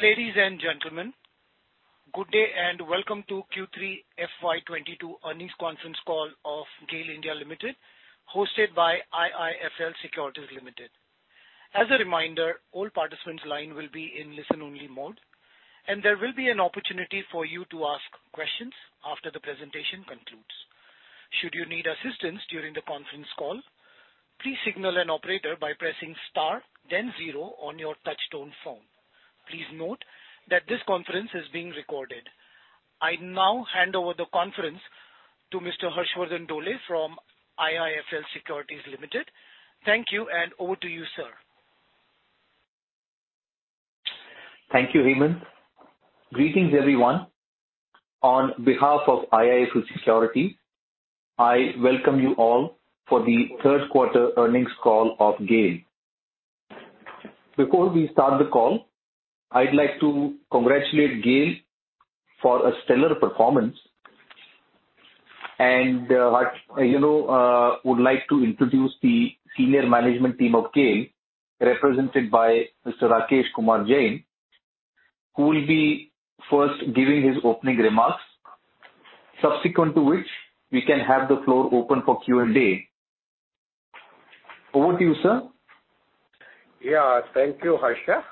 Ladies and gentlemen, good day and welcome to Q3 FY 2022 earnings conference call of GAIL (India) Limited, hosted by IIFL Securities Limited. As a reminder, all participants' line will be in listen-only mode, and there will be an opportunity for you to ask questions after the presentation concludes. Should you need assistance during the conference call, please signal an operator by pressing star then zero on your touch-tone phone. Please note that this conference is being recorded. I now hand over the conference to Mr. Harshvardhan Dole from IIFL Securities Limited. Thank you and over to you, sir. Thank you, Heman. Greetings, everyone. On behalf of IIFL Securities Limited, I welcome you all for the third quarter earnings call of GAIL. Before we start the call, I'd like to congratulate GAIL for a stellar performance. I, you know, would like to introduce the senior management team of GAIL, represented by Mr. Rakesh Kumar Jain, who will be first giving his opening remarks, subsequent to which we can have the floor open for Q&A. Over to you, sir. Yeah. Thank you, Harsha.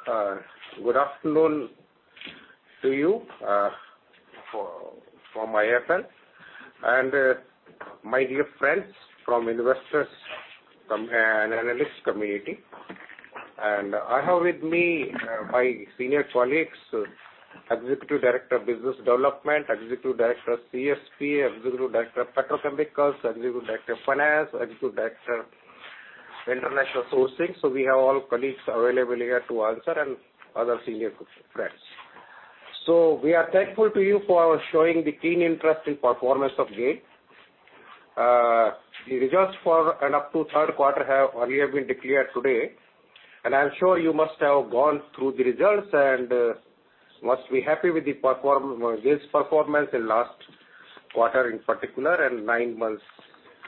Good afternoon to you from IIFL, and my dear friends from investors and analyst community. I have with me my senior colleagues, Executive Director of Business Development, Executive Director CSP, Executive Director of Petrochemicals, Executive Director of Finance, Executive Director International Sourcing. We have all colleagues available here to answer and other senior friends. We are thankful to you for showing the keen interest in performance of GAIL. The results for and up to third quarter have earlier been declared today, and I'm sure you must have gone through the results and must be happy with GAIL's performance in last quarter in particular and nine months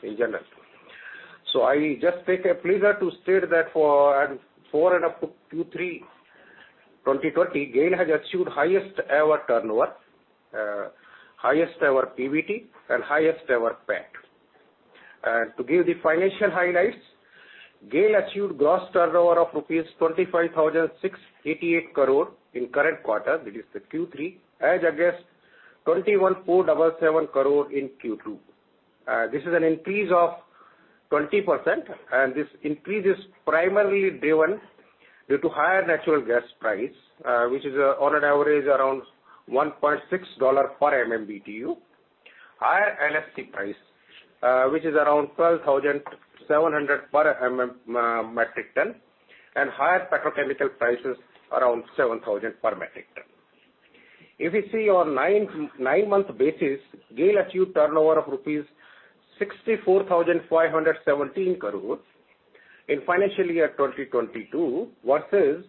in general. I just take a pleasure to state that for up to Q3 2020, GAIL has achieved highest ever turnover, highest ever PBT, and highest ever PAT. To give the financial highlights, GAIL achieved gross turnover of rupees 25,688 crore in current quarter. That is the Q3, as against 21,477 crore in Q2. This is an increase of 20%, and this increase is primarily driven due to higher natural gas price, which is on an average around $1.6 per MMBTU. Higher LHC price, which is around 12,700 per MT, and higher petrochemical prices around 7,000 per metric ton. If you see on nine-month basis, GAIL achieved turnover of rupees 64,517 crore in financial year 2022 versus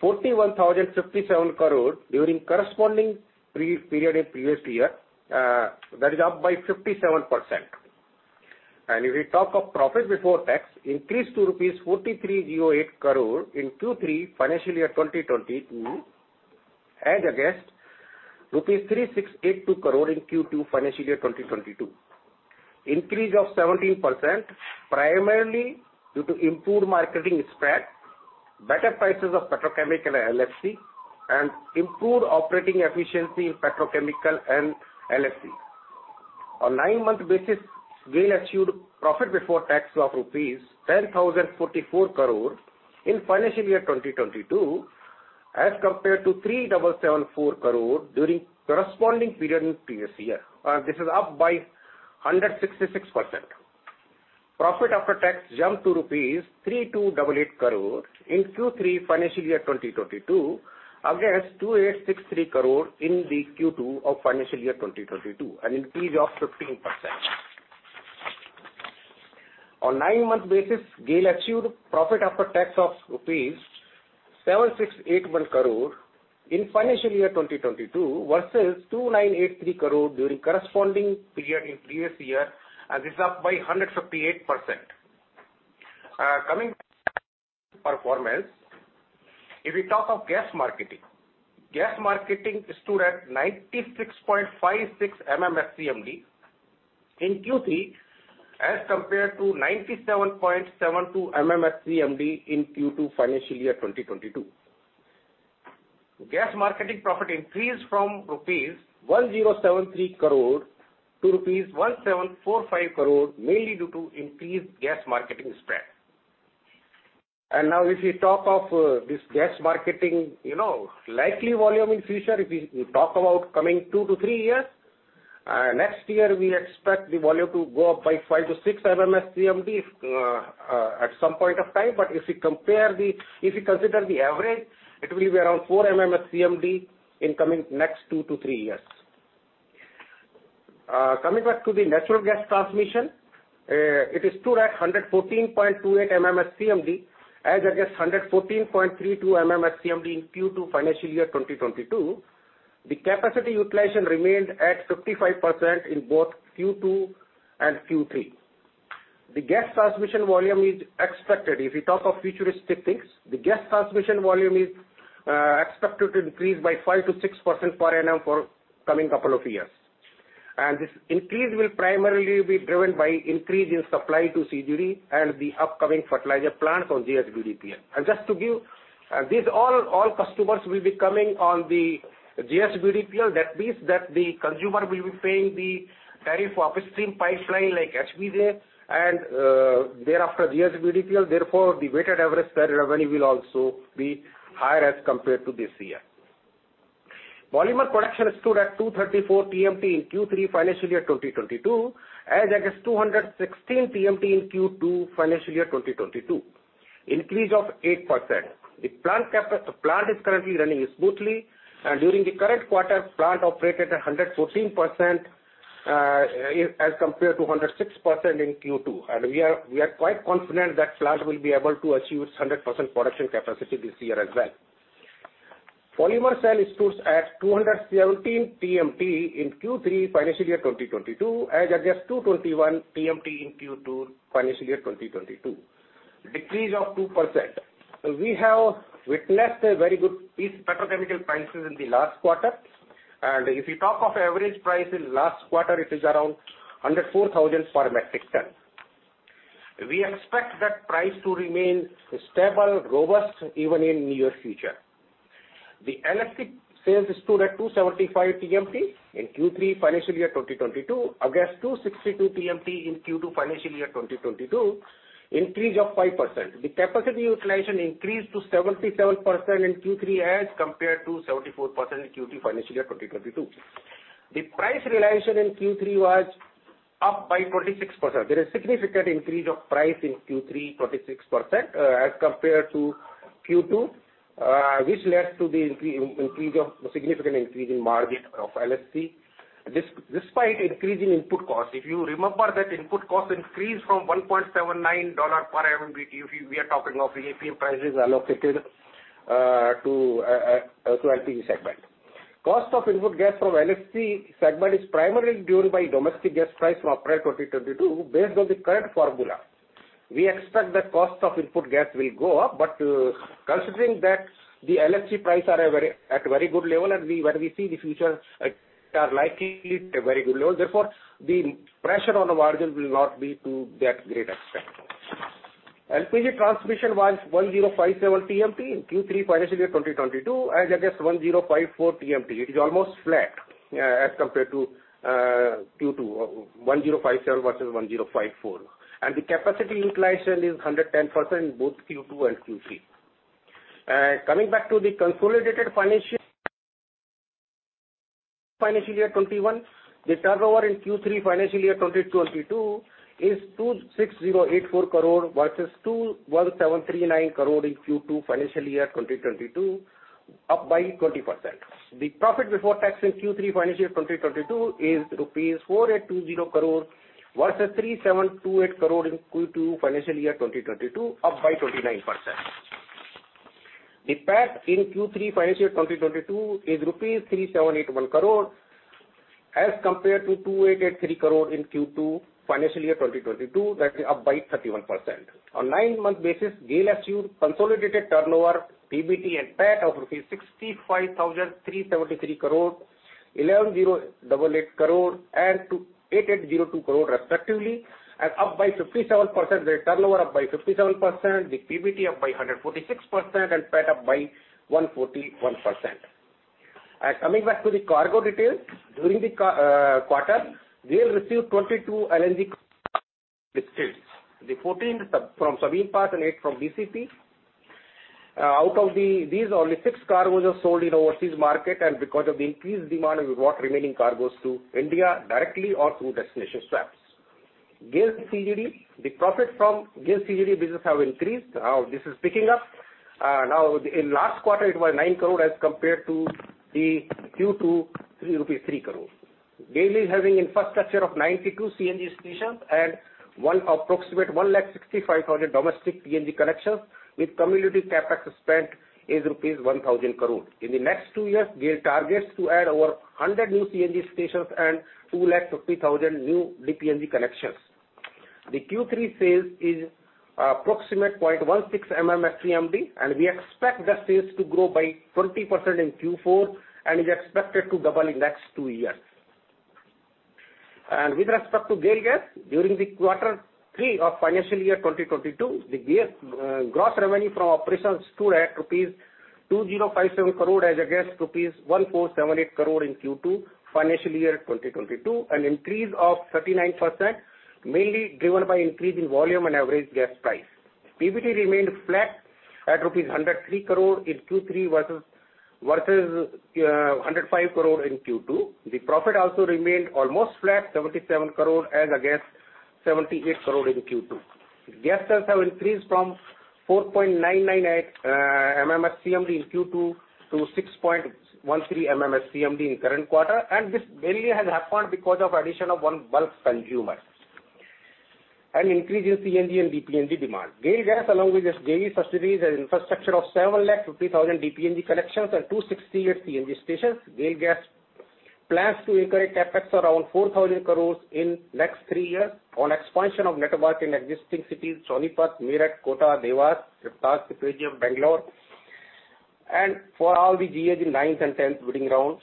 41,057 crore during corresponding period in previous year. That is up by 57%. If we talk of profit before tax, increased to rupees 4,308 crore in Q3 financial year 2022, as against rupees 3,682 crore in Q2 financial year 2022. Increase of 17% primarily due to improved marketing spread, better prices of petrochemical LHC, and improved operating efficiency in petrochemical and LHC. On nine-month basis, GAIL achieved profit before tax of rupees 10,044 crore in financial year 2022, as compared to 3,774 crore during corresponding period in previous year. This is up by 166%. Profit after tax jumped to rupees 3,288 crore in Q3 financial year 2022, against 2,863 crore in the Q2 of financial year 2022, an increase of 15%. On nine-month basis, GAIL achieved profit after tax of rupees 7,681 crore in financial year 2022 versus 2,983 crore during corresponding period in previous year, and this is up by 158%. Coming to performance, if we talk of gas marketing, gas marketing stood at 96.56 MMSCMD in Q3, as compared to 97.72 MMSCMD in Q2 financial year 2022. Gas marketing profit increased from rupees 1,073 crore to rupees 1,745 crore, mainly due to increased gas marketing spread. Now if you talk of this gas marketing, you know, likely volume in future, if we talk about coming two-three years, next year we expect the volume to go up by five-six MMSCMD if at some point of time. If you consider the average, it will be around four MMSCMD in coming next two-three years. Coming back to the natural gas transmission, it stood at 114.28 MMSCMD as against 114.32 MMSCMD in Q2 FY 2022. The capacity utilization remained at 55% in both Q2 and Q3. The gas transmission volume is expected. If you talk of futuristic things, the gas transmission volume is expected to increase by 5%-6% per annum for the coming couple of years. This increase will primarily be driven by increase in supply to CGD and the upcoming fertilizer plants on JHBDPL. These all customers will be coming on the JHBDPL. That means that the consumer will be paying the tariff upstream pipeline like HBJ and thereafter JHBDPL. Therefore, the weighted average fare revenue will also be higher as compared to this year. Polymer production stood at 234 TMT in Q3 FY 2022, as against 216 TMT in Q2 FY 2022. Increase of 8%. The plant is currently running smoothly. During the current quarter, plant operated 114%, as compared to 106% in Q2. We are quite confident that plant will be able to achieve its 100% production capacity this year as well. Polymer sale stood at 217 TMT in Q3 financial year 2022, as against 221 TMT in Q2 financial year 2022. Decrease of 2%. We have witnessed a very good peak petrochemical prices in the last quarter. If you talk of average price in last quarter, it is around 104,000 per metric ton. We expect that price to remain stable, robust, even in near future. The LFG sales stood at 275 TMT in Q3 financial year 2022 against 262 TMT in Q2 financial year 2022. Increase of 5%. The capacity utilization increased to 77% in Q3 as compared to 74% in Q2 financial year 2022. The price realization in Q3 was up by 46%. There is significant increase of price in Q3, 46%, as compared to Q2, which led to the significant increase in margin of LHC, despite increase in input costs. If you remember that input cost increased from $1.79 per MMBTU, we are talking of APM prices allocated to LPG segment. Cost of input gas from LHC segment is primarily driven by domestic gas price from April 2022 based on the current formula. We expect that cost of input gas will go up, but considering that the LFG price are at very good level when we see the future are likely at a very good level. Therefore, the pressure on the margin will not be to that great extent. LPG transmission was 1,057 TMT in Q3 financial year 2022 as against 1,054 TMT. It is almost flat as compared to Q2. 1,057 versus 1,054. The capacity utilization is 110% in both Q2 and Q3. Coming back to the consolidated financial year 2021. The turnover in Q3 financial year 2022 is 26,084 crore versus 21,739 crore in Q2 financial year 2022, up by 20%. The profit before tax in Q3 FY 2022 is ₹4,820 crore versus ₹3,728 crore in Q2 FY 2022, up 29%. The PAT in Q3 FY 2022 is ₹3,781 crore as compared to ₹2,883 crore in Q2 FY 2022. That is up 31%. On nine-month basis, GAIL has achieved consolidated turnover, PBT and PAT of ₹65,373 crore, ₹11,088 crore and ₹28,802 crore respectively, and up 57%. The turnover up 57%, the PBT up 146% and PAT up 141%. Coming back to the cargo details. During the quarter, GAIL received 22 LNG, the 14th from Sabine Pass and 8 from BCP. Out of these, only 6 cargoes are sold in overseas market, and because of the increased demand, we brought remaining cargoes to India directly or through destination swaps. GAIL CGD, the profit from GAIL CGD business have increased. This is picking up. Now in last quarter, it was 9 crore as compared to the Q2, 33 crore rupees. GAIL is having infrastructure of 92 CNG stations and approximately 165,000 domestic PNG connections, with cumulative CapEx spent is rupees 1,000 crore. In the next two years, GAIL targets to add over 100 new CNG stations and 250,000 new DPNG connections. The Q3 sales is approximately 0.16 MMSCMD, and we expect the sales to grow by 20% in Q4, and is expected to double in next two years. With respect to GAIL Gas, during Q3 of FY 2022, gross revenue from operations stood at rupees 2,057 crore as against rupees 1,478 crore in Q2 FY 2022, an increase of 39%, mainly driven by increase in volume and average gas price. PBT remained flat at rupees 103 crore in Q3 versus 105 crore in Q2. The profit also remained almost flat, 77 crore as against 78 crore in Q2. Gas sales have increased from 4.998 MMSCMD in Q2 to 6.13 MMSCMD in current quarter. This mainly has happened because of addition of one bulk consumer and increase in CNG and DPNG demand. GAIL Gas, along with its daily facilities and infrastructure of 750,000 DPNG connections and 268 CNG stations, GAIL Gas plans to incur a CapEx around 4,000 crore in the next 3 years on expansion of network in existing cities, Sonipat, Meerut, Kota, Dewas, Ratlam, CPGM, Bangalore. For all the GAs in ninth and tenth bidding rounds,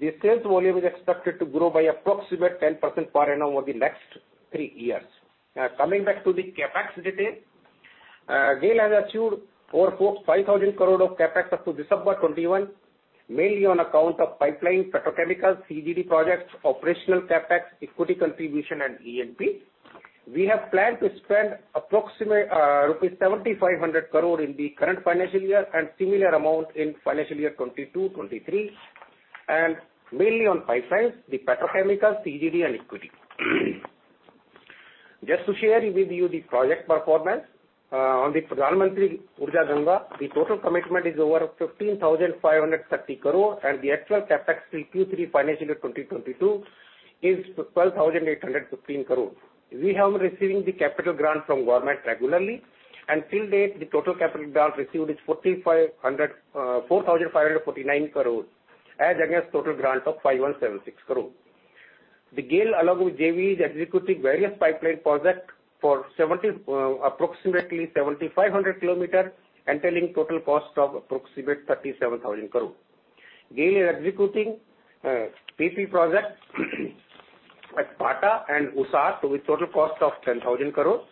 the sales volume is expected to grow by approximately 10% per annum over the next 3 years. Coming back to the CapEx detail, GAIL has achieved over 4,500 crore of CapEx up to December 2021, mainly on account of pipeline petrochemicals, CGD projects, operational CapEx, equity contribution, and E&P. We have planned to spend rupees 7,500 crore in the current financial year and similar amount in financial year 2022-23, and mainly on pipelines, the petrochemical, CGD and equity. Just to share with you the project performance on the Pradhan Mantri Urja Ganga, the total commitment is over 15,530 crore, and the actual CapEx till Q3 FY 2022 is 12,815 crore. We have been receiving the capital grant from government regularly, and till date, the total capital grant received is 4,549 crore as against total grant of 5,176 crore. GAIL, along with JVs, is executing various pipeline project for approximately 7,500 kilometer, entailing total cost of approximately 37,000 crore. GAIL is executing PP projects at Pata and Usar with total cost of 10,000 crore.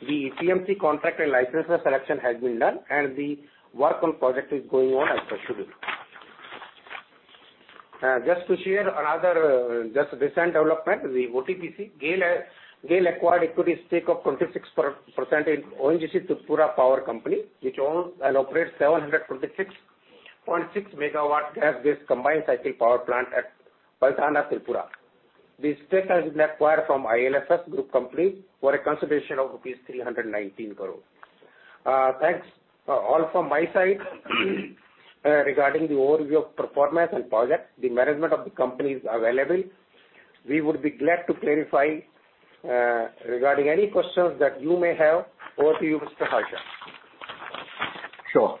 The EPC contract and licensor selection has been done, and the work on project is going on as per schedule. Just to share another just recent development, the OTPC, GAIL acquired equity stake of 26% in ONGC Tripura Power Company, which owns and operates 726.6 MW gas-based combined cycle power plant at Palatana, Tripura. The stake has been acquired from ILSS group company for a consideration of rupees 319 crore. Thanks, all, from my side regarding the overview of performance and projects. The management of the company is available. We would be glad to clarify regarding any questions that you may have. Over to you, Mr. Harsha. Sure.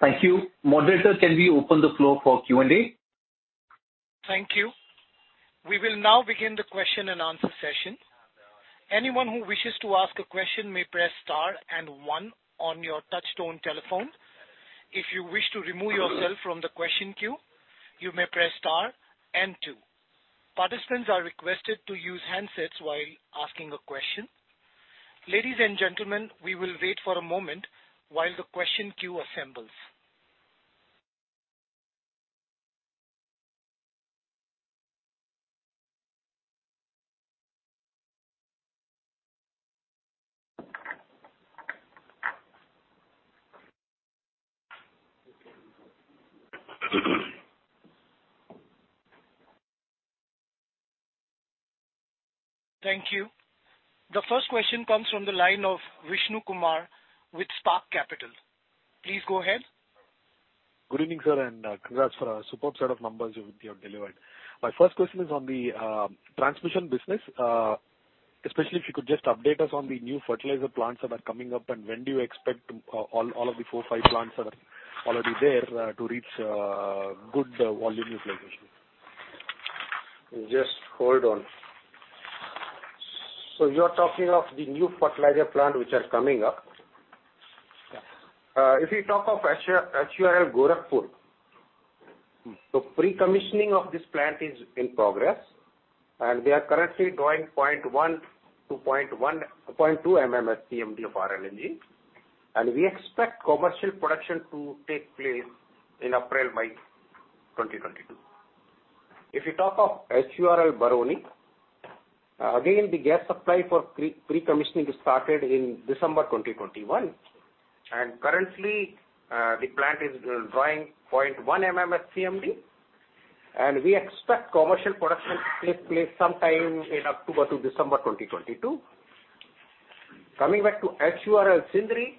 Thank you. Moderator, can we open the floor for Q&A? Thank you. We will now begin the question and answer session. Anyone who wishes to ask a question may press star and one on your touchtone telephone. If you wish to remove yourself from the question queue, you may press star and two. Participants are requested to use handsets while asking a question. Ladies and gentlemen, we will wait for a moment while the question queue assembles. Thank you. The first question comes from the line of Vishnu Kumar with Spark Capital. Please go ahead. Good evening, sir, and congrats for a superb set of numbers you have delivered. My first question is on the transmission business, especially if you could just update us on the new fertilizer plants that are coming up and when do you expect all of the four or five plants that are already there to reach good volume utilization. Just hold on. You're talking of the new fertilizer plant which are coming up. Yeah. If you talk of HUR Gorakhpur. Mm-hmm. Pre-commissioning of this plant is in progress, and we are currently drawing 0.1 to 0.2 MMSCMD of RLNG. We expect commercial production to take place in April-May 2022. If you talk of HUR Barauni, again, the gas supply for pre-commissioning started in December 2021. Currently, the plant is drawing 0.1 MMSCMD, and we expect commercial production to take place sometime in October-December 2022. Coming back to HUR Sindri,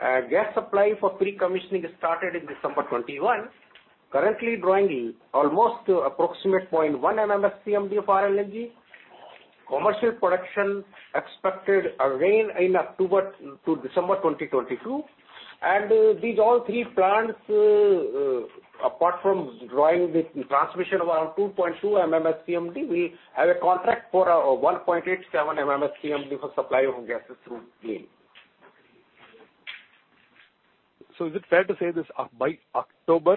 gas supply for pre-commissioning started in December 2021, currently drawing almost approximate 0.1 MMSCMD of RLNG. Commercial production expected again in October-December 2022. These all three plants, apart from drawing the transmission around 2.2 MMSCMD, we have a contract for 1.87 MMSCMD for supply of gases through GAIL. Is it fair to say this, by October,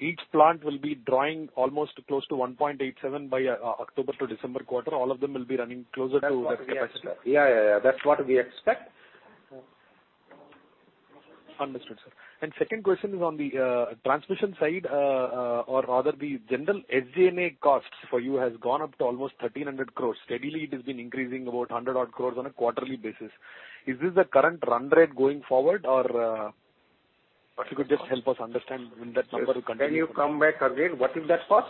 each plant will be drawing almost close to 1.87 by October to December quarter, all of them will be running closer to that capacity? That's what we expect. Yeah, yeah. That's what we expect. Understood, sir. Second question is on the transmission side, or rather the general SG&A costs for you has gone up to almost 1,300 crore. Steadily, it has been increasing about 100 crore on a quarterly basis. Is this the current run rate going forward or What's the cost? If you could just help us understand when that number will continue from there. Can you come back again? What is that cost?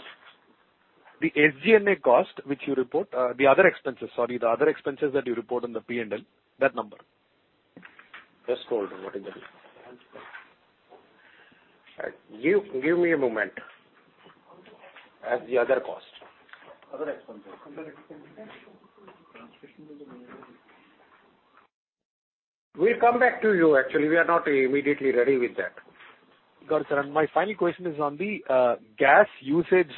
The SG&A cost which you report, the other expenses, sorry. The other expenses that you report on the P&L, that number. Just hold on. What is that? Give me a moment. The other cost. Other expenses. Other expenses. Transmission We'll come back to you. Actually, we are not immediately ready with that. Got it, sir. My final question is on the gas usage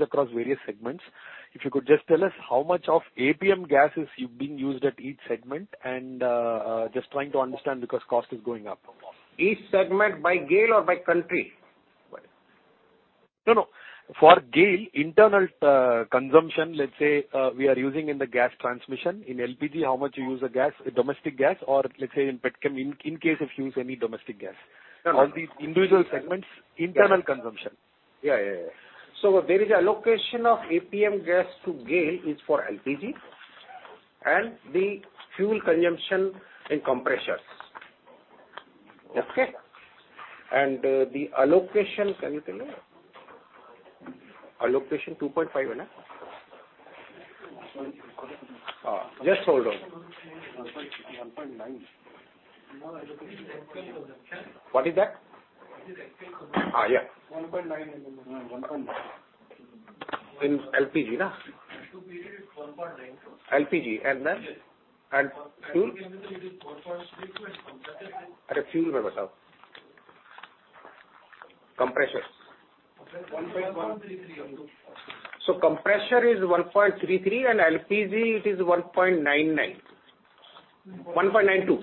across various segments. If you could just tell us how much of APM gas is being used at each segment, and just trying to understand because cost is going up. Each segment by GAIL or by country? No, no. For GAIL internal consumption, let's say, we are using in the gas transmission. In LPG, how much you use a gas, a domestic gas, or let's say in petchem, in case you use any domestic gas. No, no. All the individual segments. Yes. Internal consumption. Yeah. There is allocation of APM gas to GAIL is for LPG and the fuel consumption in compressors. Okay? The allocation, can you tell me? Allocation 2.5, isn't it? Just hold on. One point, one point nine. What is that? Allocation is 1.9. Yeah. One point nine. One point nine. In LPG, nah? Allocation is 1.9, sir. LPG. Then? Yes. Fuel? Allocation, it is 4.32. fuel? Compressors. Compressor is 1.33. Compressor is 1.33, and LPG it is 1.99. 1.92.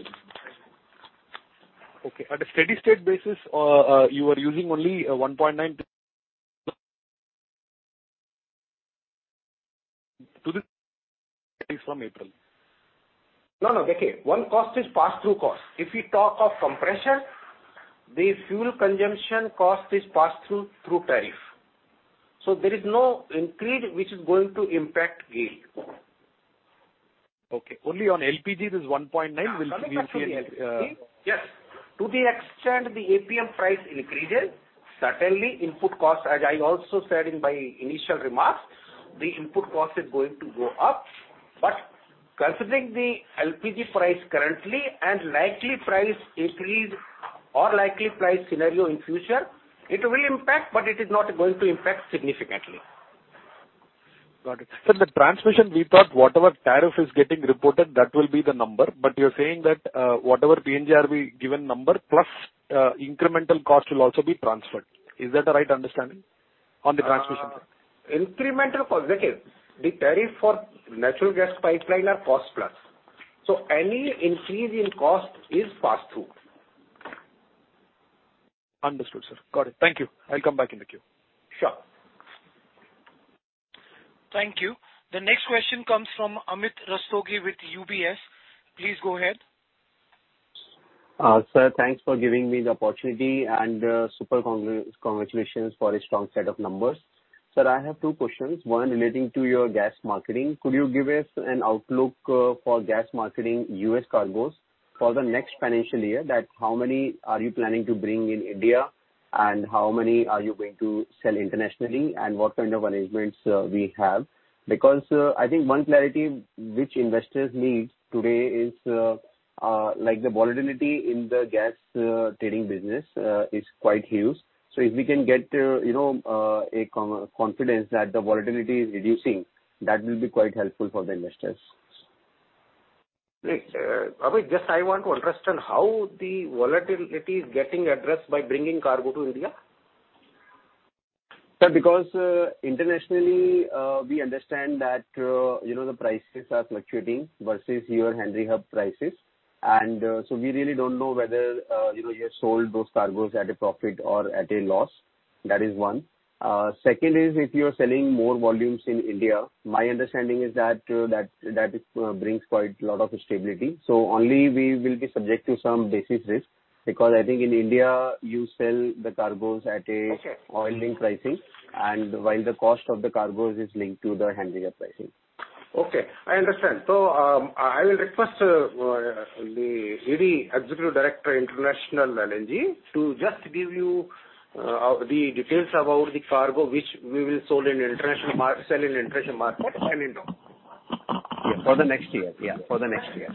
Okay. At a steady state basis, you are using only 1.9 to this from April. No, no. Okay. One cost is pass-through cost. If we talk of compression, the fuel consumption cost is pass-through to tariff. There is no increase which is going to impact GAIL. Okay. Only on LPG, this 1.9 will be increasing. Yes. To the extent the APM price increases, certainly input costs, as I also said in my initial remarks, the input cost is going to go up. Considering the LPG price currently and likely price increase or likely price scenario in future, it will impact, but it is not going to impact significantly. Got it. The transmission we thought whatever tariff is getting reported, that will be the number. You're saying that, whatever PNGRB given number, plus, incremental cost will also be transferred. Is that the right understanding on the transmission? Incremental cost, okay. The tariff for natural gas pipeline are cost plus. Any increase in cost is passed through. Understood, sir. Got it. Thank you. I'll come back in the queue. Sure. Thank you. The next question comes from Amit Rastogi with UBS. Please go ahead. Sir, thanks for giving me the opportunity and super congratulations for a strong set of numbers. Sir, I have two questions. One relating to your gas marketing. Could you give us an outlook for gas marketing US cargoes for the next financial year? That how many are you planning to bring in India, and how many are you going to sell internationally, and what kind of arrangements we have? Because I think one clarity which investors need today is like the volatility in the gas trading business is quite huge. So if we can get you know a confidence that the volatility is reducing, that will be quite helpful for the investors. Amit, just I want to understand how the volatility is getting addressed by bringing cargo to India. Sir, because internationally, we understand that, you know, the prices are fluctuating versus your Henry Hub prices. We really don't know whether, you know, you have sold those cargoes at a profit or at a loss. That is one. Second is if you're selling more volumes in India, my understanding is that that it brings quite a lot of stability. Only we will be subject to some basis risk, because I think in India you sell the cargoes at a- Okay. oil-linked pricing, and while the cost of the cargoes is linked to the Henry Hub pricing. Okay, I understand. I will request the ED, Executive Director International LNG, to just give you the details about the cargo which we will sell in international market and India. Yeah. For the next year.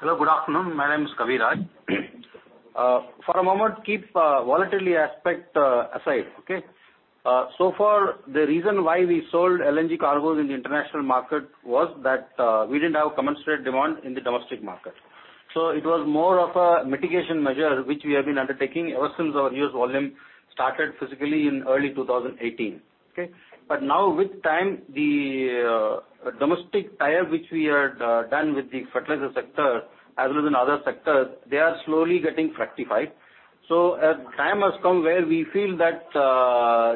Hello, good afternoon. My name is Kaviraj. For a moment, keep volatility aspect aside. Okay? So far the reason why we sold LNG cargoes in the international market was that we didn't have commensurate demand in the domestic market. It was more of a mitigation measure which we have been undertaking ever since our US volume started physically in early 2018. Okay? Now with time, the domestic tie-ups which we had done with the fertilizer sector as well as in other sectors, they are slowly getting fructified. Time has come where we feel that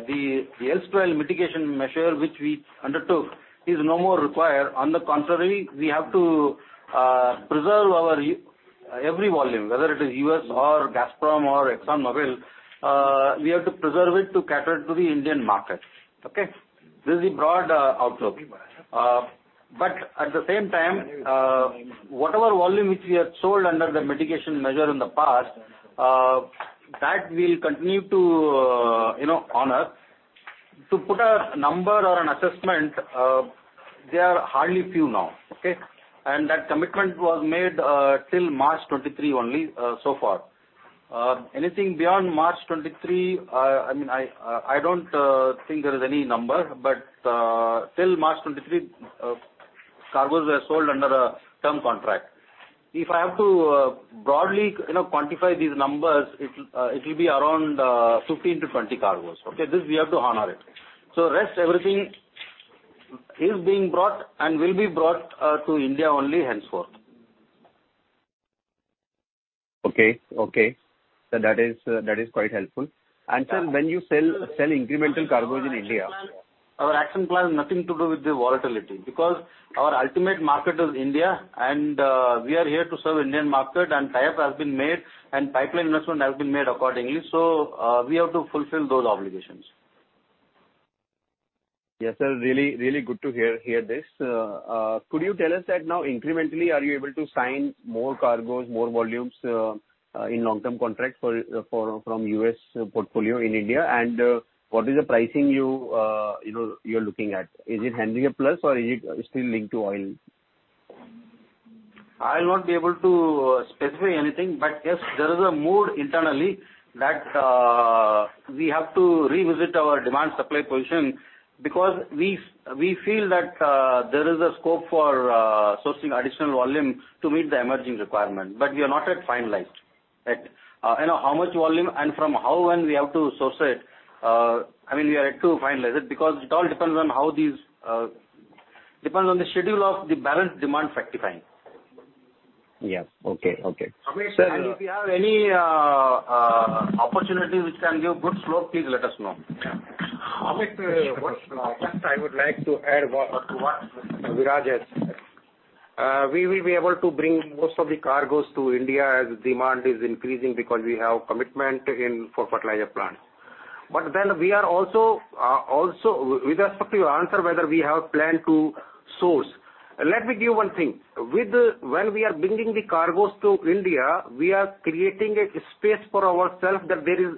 the erstwhile mitigation measure which we undertook is no more required. On the contrary, we have to preserve our every volume, whether it is US or Gazprom or ExxonMobil, we have to preserve it to cater to the Indian market. Okay? This is the broad outlook. At the same time, whatever volume which we have sold under the mitigation measure in the past, that we'll continue to, you know, honor. To put a number or an assessment, they are hardly few now. Okay? That commitment was made till March 2023 only, so far. Anything beyond March 2023, I mean, I don't think there is any number, but till March 2023, cargoes were sold under a term contract. If I have to broadly, you know, quantify these numbers, it'll be around 15-20 cargoes. Okay? This we have to honor it. Rest everything is being brought and will be brought to India only henceforth. Okay. That is quite helpful. Sir, when you sell incremental cargoes in India- Our action plan is nothing to do with the volatility because our ultimate market is India, and we are here to serve Indian market and tie-up has been made and pipeline investment has been made accordingly. We have to fulfill those obligations. Yes, sir. Really good to hear this. Could you tell us that now incrementally are you able to sign more cargoes, more volumes, in long-term contracts from U.S. portfolio in India? What is the pricing you know you're looking at? Is it Henry Hub plus or is it still linked to oil? I will not be able to specify anything, but yes, there is a mood internally that we have to revisit our demand supply position because we feel that there is a scope for sourcing additional volume to meet the emerging requirement. We are not yet finalized. Right. You know how much volume and from where and how we have to source it. I mean, we are yet to finalize it because it all depends on the schedule of the balance of demand from time to time. Yes. Okay. Okay. Amit, if you have any opportunity which can give good scope, please let us know. Amit, first I would like to add to what Viraj has said. We will be able to bring most of the cargoes to India as demand is increasing because we have commitments for fertilizer plant. We are also with respect to your answer whether we have plan to source. Let me give you one thing. When we are bringing the cargoes to India, we are creating a space for ourselves that there is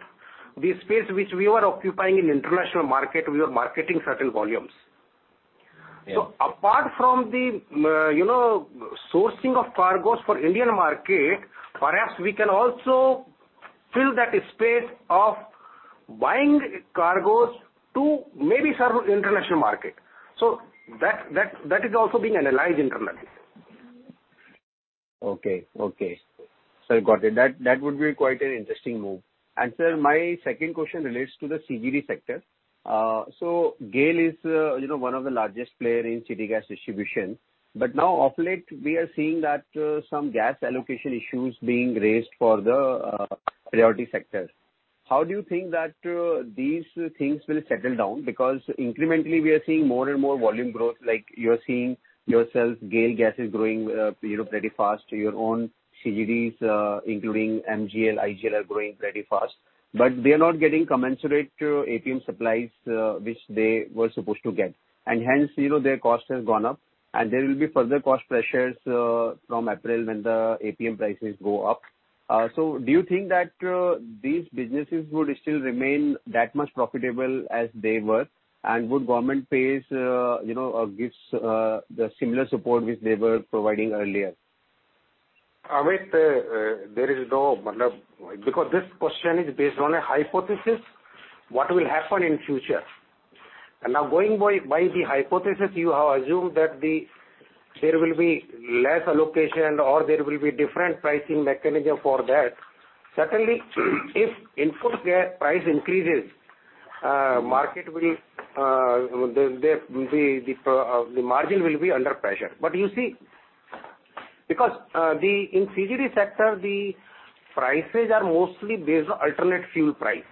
the space which we were occupying in international market, we were marketing certain volumes. Yeah. Apart from the, you know, sourcing of cargoes for Indian market, perhaps we can also fill that space of buying cargoes to maybe serve international market. That is also being analyzed internally. Got it. That would be quite an interesting move. Sir, my second question relates to the CGD sector. GAIL is, you know, one of the largest player in city gas distribution. But now of late we are seeing that, some gas allocation issues being raised for the, priority sector. How do you think that, these things will settle down? Because incrementally we are seeing more and more volume growth like you're seeing yourself GAIL gas is growing, you know, pretty fast. Your own CGDs, including MGL, IGL are growing pretty fast, but they are not getting commensurate APM supplies, which they were supposed to get. Hence, you know, their cost has gone up and there will be further cost pressures, from April when the APM prices go up. Do you think that these businesses would still remain that much profitable as they were? Would the government give the similar support which they were providing earlier? Amit, there is no because this question is based on a hypothesis, what will happen in future. Now going by the hypothesis, you have assumed that there will be less allocation or there will be different pricing mechanism for that. Certainly, if input gas price increases, the margin will be under pressure. You see, because in the CGD sector, the prices are mostly based on alternate fuel price.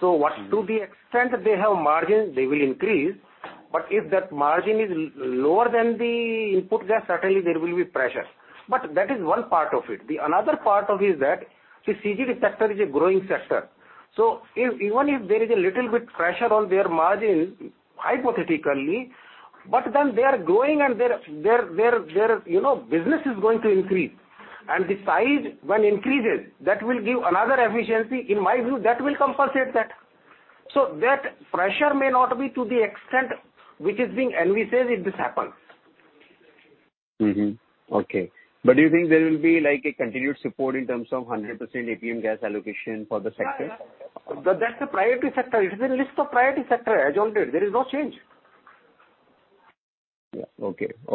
To the extent they have margin, they will increase, but if that margin is lower than the input gas, certainly there will be pressure. That is one part of it. The other part is that the CGD sector is a growing sector. If even if there is a little bit pressure on their margin, hypothetically, but then they are growing and their you know business is going to increase. The size when increases, that will give another efficiency. In my view, that will compensate that. That pressure may not be to the extent which is being envisaged if this happens. Do you think there will be like a continued support in terms of 100% APM gas allocation for the sector? Yeah. That's a priority sector. It is a list of priority sector as altered. There is no change. Yeah.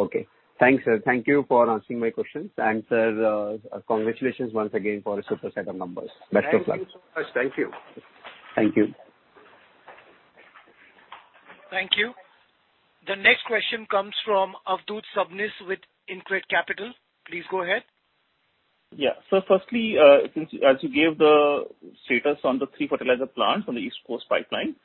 Okay. Thanks, sir. Thank you for answering my questions. Sir, congratulations once again for a super set of numbers. Best of luck. Thank you so much. Thank you. Thank you. Thank you. The next question comes from Probal Sen with Integrit Capital. Please go ahead. Yeah. Firstly, since as you gave the status on the three fertilizer plants on the East Coast pipeline,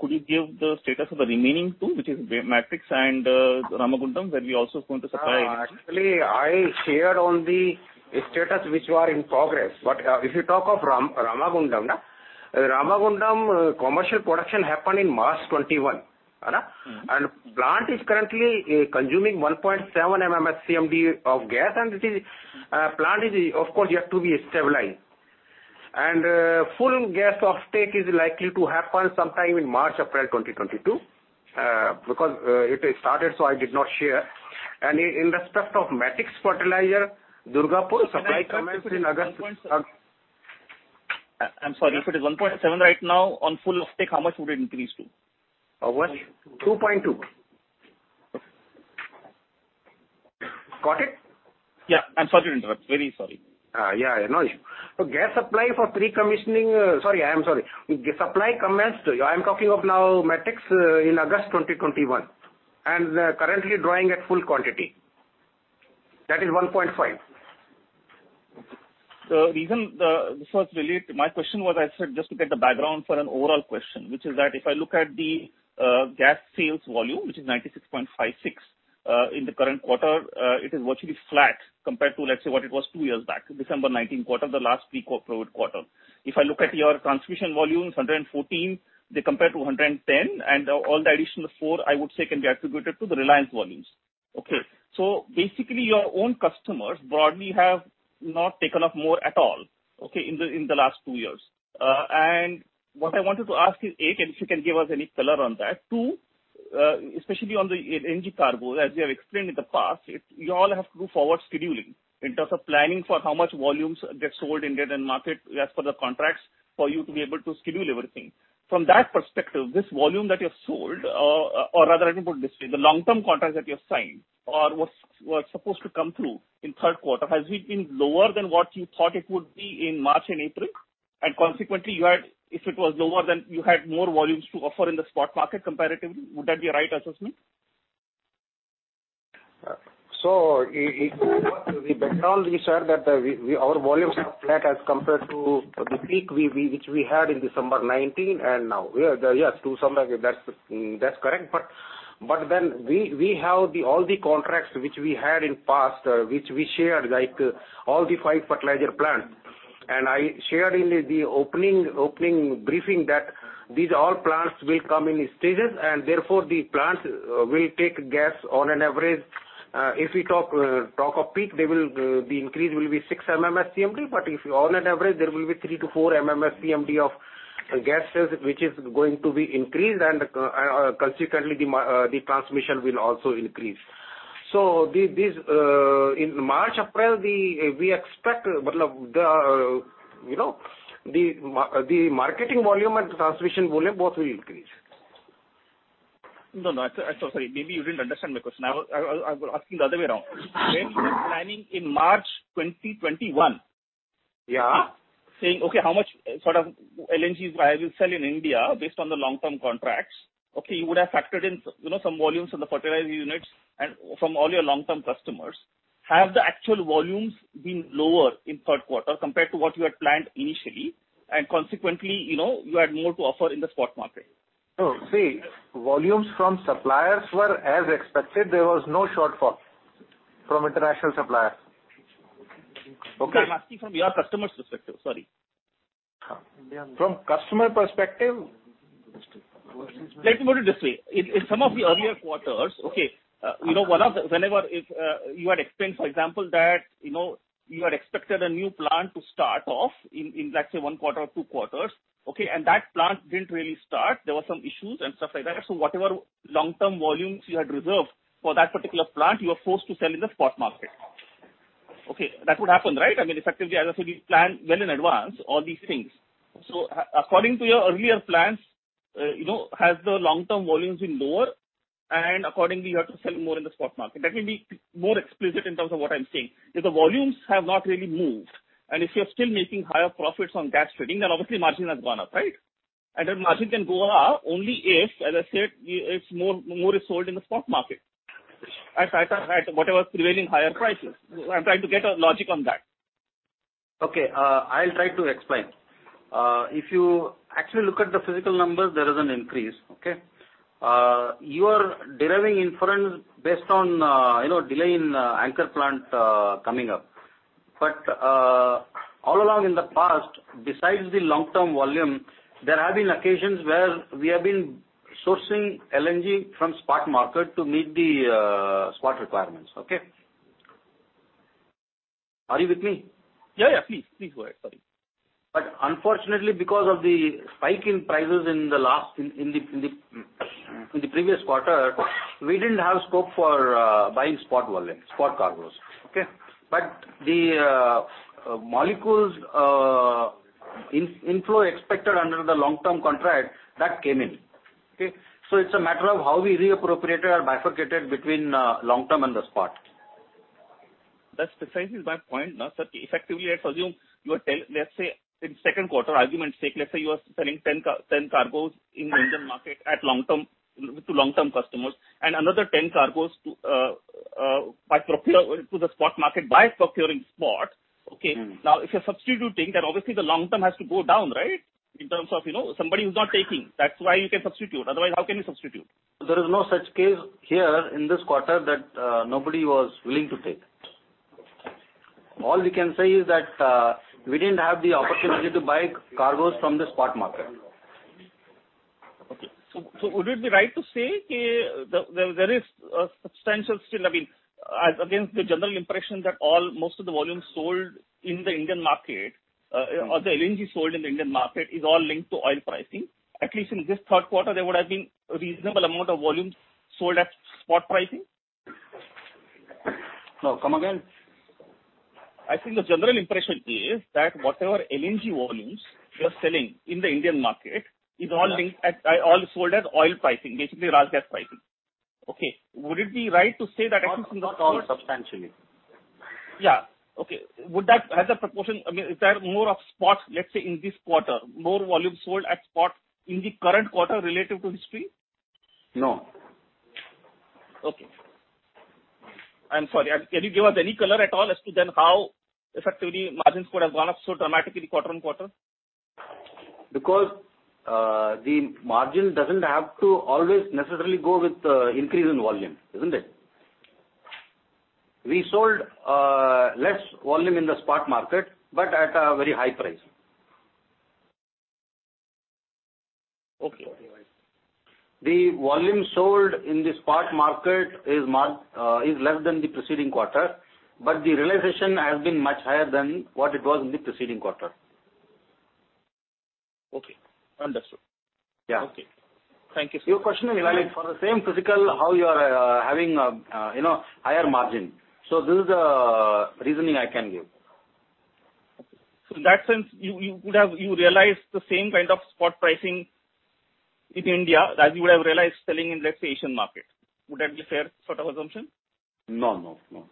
could you give the status of the remaining two, which is Matix and, Ramagundam, where we're also going to supply- Actually I shared on the status which were in progress. If you talk of Ramagundam commercial production happened in March 2021. Mm-hmm. Plant is currently consuming 1.7 MMSCMD of gas and it is of course yet to be stabilized. Full gas offtake is likely to happen sometime in March, April 2022. Because it is started, so I did not share. In respect of Matix Fertilizer, Durgapur supply commenced in August. I'm sorry. If it is $1.7 right now on full stick, how much would it increase to? How much? 2.2. Okay. Got it? Yeah. I'm sorry to interrupt. Very sorry. Yeah, no issue. Sorry, I am sorry. The supply commenced, I am talking of now Matix, in August 2021, and currently drawing at full quantity. That is 1.5. My question was, I said, just to get the background for an overall question, which is that if I look at the gas sales volume, which is 96.56, in the current quarter, it is virtually flat compared to, let's say, what it was two years back, December 2019 quarter, the last pre-COVID quarter. If I look at your transmission volumes, 114, they compare to 110, and all the additional four, I would say can be attributed to the Reliance volumes. Okay. Basically your own customers broadly have not taken up more at all, okay, in the last two years. What I wanted to ask is, A, if you can give us any color on that. Two, especially on the LNG cargo, as you have explained in the past, it's you all have to do forward scheduling in terms of planning for how much volumes get sold in given market as per the contracts for you to be able to schedule everything. From that perspective, this volume that you have sold, or rather, let me put it this way, the long-term contracts that you have signed or was supposed to come through in third quarter, has it been lower than what you thought it would be in March and April? Consequently, if it was lower, then you had more volumes to offer in the spot market comparatively. Would that be a right assessment? In the background we said that our volumes are flat as compared to the peak which we had in December 2019 and now. We are, yes, to some degree that's correct. Then we have all the contracts which we had in past which we shared, like all the five fertilizer plants. I shared in the opening briefing that these all plants will come in stages and therefore the plants will take gas on average. If we talk of peak, the increase will be six MMSCMD, but if you on average, there will be three-four MMSCMD of gas sales which is going to be increased, and consequently, the transmission will also increase. In March, April, we expect, you know, the marketing volume and transmission volume both will increase. No, no. Sorry. Maybe you didn't understand my question. I was asking the other way around. When you were planning in March 2021- Yeah. saying, "Okay, how much sort of LNGs I will sell in India based on the long-term contracts?" Okay, you would have factored in, you know, some volumes from the fertilizer units and from all your long-term customers. Have the actual volumes been lower in third quarter compared to what you had planned initially, and consequently, you know, you had more to offer in the spot market? No. See, volumes from suppliers were as expected. There was no shortfall from international suppliers. Okay? I'm asking from your customer's perspective. Sorry. From customer perspective? Let me put it this way. In some of the earlier quarters, okay, you know, whenever if you had explained, for example, that, you know, you had expected a new plant to start off in, let's say, one quarter or two quarters, okay, and that plant didn't really start. There were some issues and stuff like that. Whatever long-term volumes you had reserved for that particular plant, you were forced to sell in the spot market. Okay, that would happen, right? I mean, effectively, as I said, we plan well in advance all these things. According to your earlier plans, you know, has the long-term volumes been lower and accordingly you have to sell more in the spot market? That will be more explicit in terms of what I'm saying. If the volumes have not really moved, and if you're still making higher profits on gas trading, then obviously margin has gone up, right? Margin can go up only if, as I said, more is sold in the spot market at whatever prevailing higher prices. I'm trying to get a logic on that. Okay, I'll try to explain. If you actually look at the physical numbers, there is an increase. Okay? You are deriving inference based on, you know, delay in anchor plant coming up. All along in the past, besides the long-term volume, there have been occasions where we have been sourcing LNG from spot market to meet the spot requirements. Okay? Are you with me? Yeah, yeah. Please go ahead. Sorry. Unfortunately, because of the spike in prices in the previous quarter, we didn't have scope for buying spot volume, spot cargos. Okay? The molecules inflow expected under the long-term contract that came in. Okay? It's a matter of how we reappropriated or bifurcated between long-term and the spot. That specifically is my point. Now, sir, effectively, I assume you are, let's say in second quarter, for argument's sake, let's say you are selling 10 cargos in Indian market at long-term to long-term customers, and another 10 cargos to the spot market by procuring spot. Okay? Mm. Now, if you're substituting, then obviously the long-term has to go down, right? In terms of, you know, somebody who's not taking. That's why you can substitute. Otherwise, how can you substitute? There is no such case here in this quarter that nobody was willing to take. All we can say is that we didn't have the opportunity to buy cargoes from the spot market. Okay. Would it be right to say that there is substantial still, I mean, as against the general impression that all, most of the volumes sold in the Indian market, or the LNG sold in the Indian market is all linked to oil pricing. At least in this third quarter, there would have been a reasonable amount of volume sold at spot pricing. No. Come again. I think the general impression is that whatever LNG volumes you are selling in the Indian market is all linked at Yeah. All sold as oil pricing, basically RasGas pricing. Okay. Would it be right to say that at least in the first? Not all substantially. Yeah. Okay. Would that have the proportion? I mean, is there more spot, let's say in this quarter, more volume sold at spot in the current quarter relative to history? No. Okay. I'm sorry. Can you give us any color at all as to then how effectively margin score has gone up so dramatically quarter-on-quarter? The margin doesn't have to always necessarily go with increase in volume, isn't it? We sold less volume in the spot market, but at a very high price. Okay. The volume sold in the spot market is less than the preceding quarter, but the realization has been much higher than what it was in the preceding quarter. Okay. Understood. Yeah. Okay. Thank you, sir. Your question is valid for the same fiscal, how you are having, you know, higher margin. This is the reasoning I can give. In that sense, you would have realized the same kind of spot pricing in India as you would have realized selling in, let's say, Asian market. Would that be a fair sort of assumption? No, no.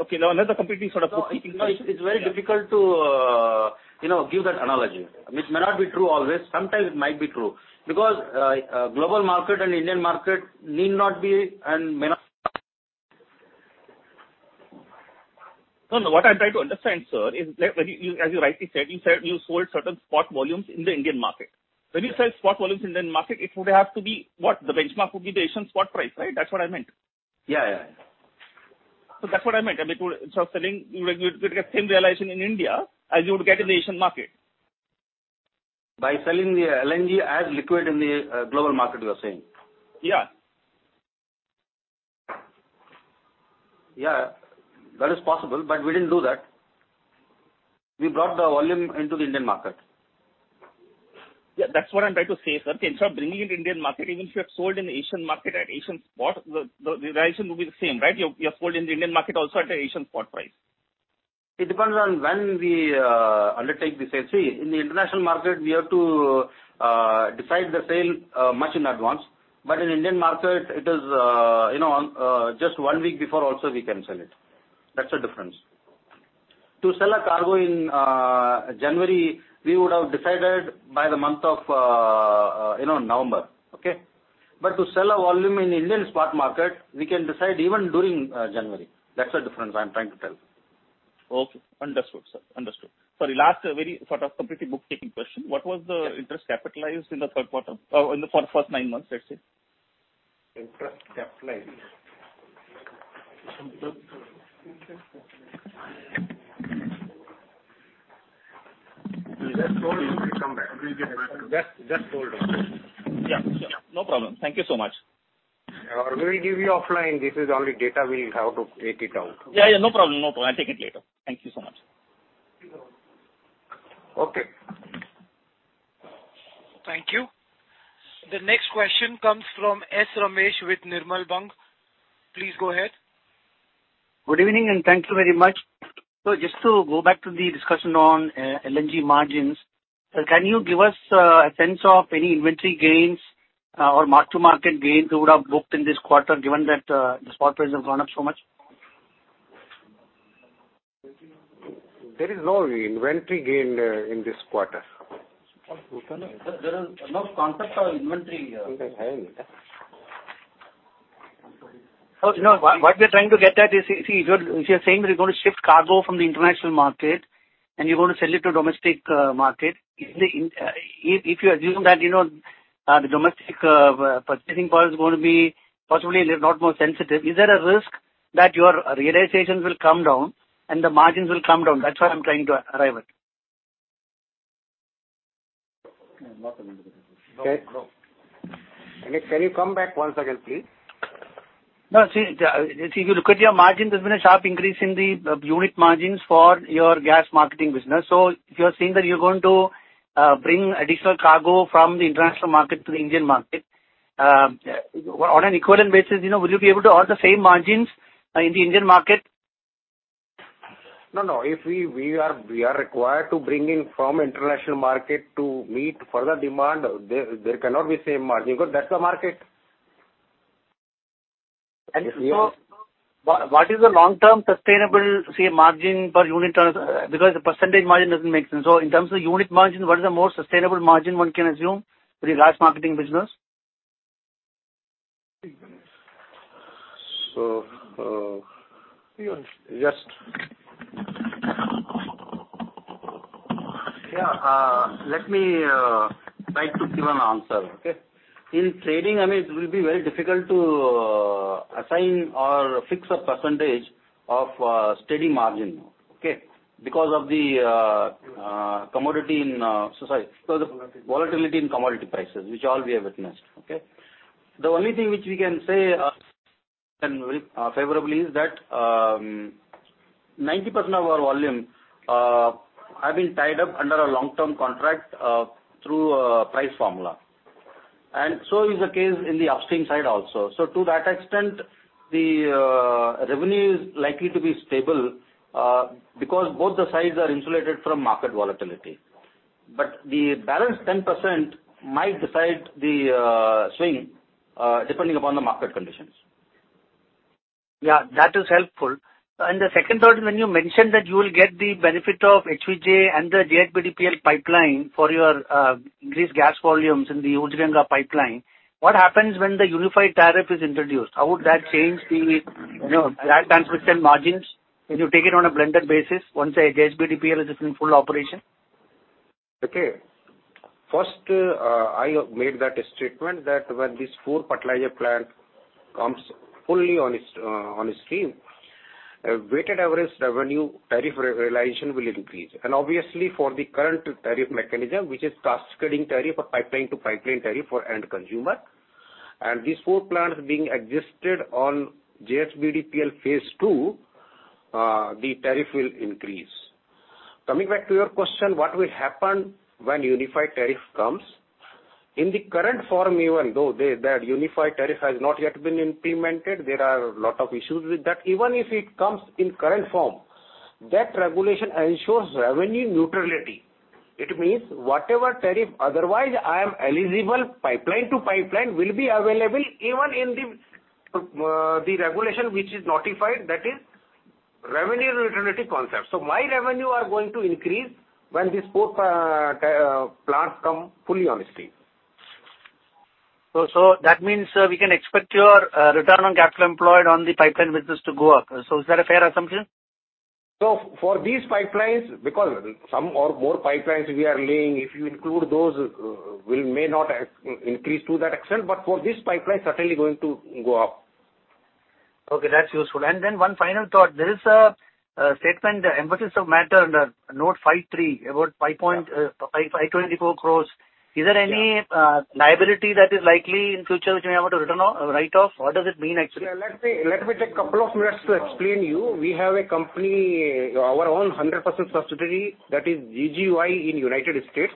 Okay, now another completely sort of. No, it's very difficult to, you know, give that analogy, which may not be true always. Sometimes it might be true because global market and Indian market need not be and may not. No, no. What I'm trying to understand, sir, is like when you, as you rightly said, you said you sold certain spot volumes in the Indian market. Yes. When you sell spot volumes in Indian market, it would have to be what? The benchmark would be the Asian spot price, right? That's what I meant. Yeah. Yeah. That's what I meant. I mean, selling, you get same realization in India as you would get in the Asian market. By selling the LNG as liquid in the global market, you are saying? Yeah. Yeah, that is possible, but we didn't do that. We brought the volume into the Indian market. Yeah, that's what I'm trying to say, sir. Instead of bringing it Indian market, even if you have sold in Asian market at Asian spot, the realization will be the same, right? You have sold in the Indian market also at a Asian spot price. It depends on when we undertake the sales. See, in the international market, we have to decide the sale much in advance. In Indian market, it is, you know, just one week before also we can sell it. That's the difference. To sell a cargo in January, we would have decided by the month of, you know, November. Okay. To sell a volume in Indian spot market, we can decide even during January. That's the difference I'm trying to tell you. Okay. Understood, sir. Sorry, last very sort of completely bookkeeping question. What was the interest capitalized in the third quarter? In the first nine months, let's say. Interest capitalized. Just hold on. We come back. We'll get back to you. Just hold on. Yeah, sure. No problem. Thank you so much. We'll give you offline. This is only data. We'll have to take it out. Yeah. No problem. I'll take it later. Thank you so much. Okay. Thank you. The next question comes from S. Ramesh with Nirmal Bang. Please go ahead. Good evening, and thank you very much. Just to go back to the discussion on LNG margins, can you give us a sense of any inventory gains or mark-to-market gains you would have booked in this quarter, given that the spot prices have gone up so much? There is no inventory gain in this quarter. There is no concept of inventory. No, what we're trying to get at is, see, if you're saying that you're gonna ship cargo from the international market, and you're going to sell it to domestic market, if you assume that, you know, the domestic purchasing power is gonna be possibly a lot more sensitive, is there a risk that your realizations will come down and the margins will come down? That's what I'm trying to arrive at. Can you come back one second, please? No. See, if you look at your margins, there's been a sharp increase in the unit margins for your gas marketing business. If you are saying that you're going to bring additional cargo from the international market to the Indian market, on an equivalent basis, you know, will you be able to earn the same margins in the Indian market? No, no. If we are required to bring in from international market to meet further demand, there cannot be same margin because that's the market. What is the long-term sustainable, say, margin per unit because the percentage margin doesn't make sense. In terms of unit margin, what is the most sustainable margin one can assume for your gas marketing business? So, uh, just- Yeah, let me try to give an answer. Okay. In trading, I mean, it will be very difficult to Assign or fix a percentage of steady margin, okay? Because of the volatility in commodity prices, which we all have witnessed, okay? The only thing which we can say very favorably is that 90% of our volume have been tied up under a long-term contract through a price formula. Is the case in the upstream side also. To that extent, the revenue is likely to be stable because both the sides are insulated from market volatility. The balance 10% might decide the swing depending upon the market conditions. Yeah, that is helpful. The second thought, when you mentioned that you will get the benefit of HVJ and the JHBDPL pipeline for your increased gas volumes in the Urja Ganga pipeline, what happens when the unified tariff is introduced? How would that change the gas transmission margins when you take it on a blended basis once the JHBDPL is in full operation? First, I have made that statement that when this four fertilizer plant comes fully on its on stream, a weighted average revenue tariff realization will increase. Obviously, for the current tariff mechanism, which is cascading tariff or pipeline to pipeline tariff for end consumer, and these four plants being adjusted on JHBDPL phase II, the tariff will increase. Coming back to your question, what will happen when unified tariff comes? In the current form even though the unified tariff has not yet been implemented, there are a lot of issues with that. Even if it comes in current form, that regulation ensures revenue neutrality. It means whatever tariff otherwise I am eligible pipeline to pipeline will be available even in the regulation which is notified, that is revenue neutrality concept. My revenue are going to increase when these four plants come fully on stream. that means we can expect your return on capital employed on the pipeline business to go up. Is that a fair assumption? For these pipelines, because some or more pipelines we are laying, if you include those, we may not increase to that extent, but for this pipeline, certainly going to go up. Okay, that's useful. One final thought. There is a statement, emphasis of matter under note 53, about 552.4 crores. Is there any liability that is likely in future which you may have to return or write off? What does it mean, actually? Yeah, let me take a couple of minutes to explain you. We have a company, our own 100% subsidiary, that is GGY in United States.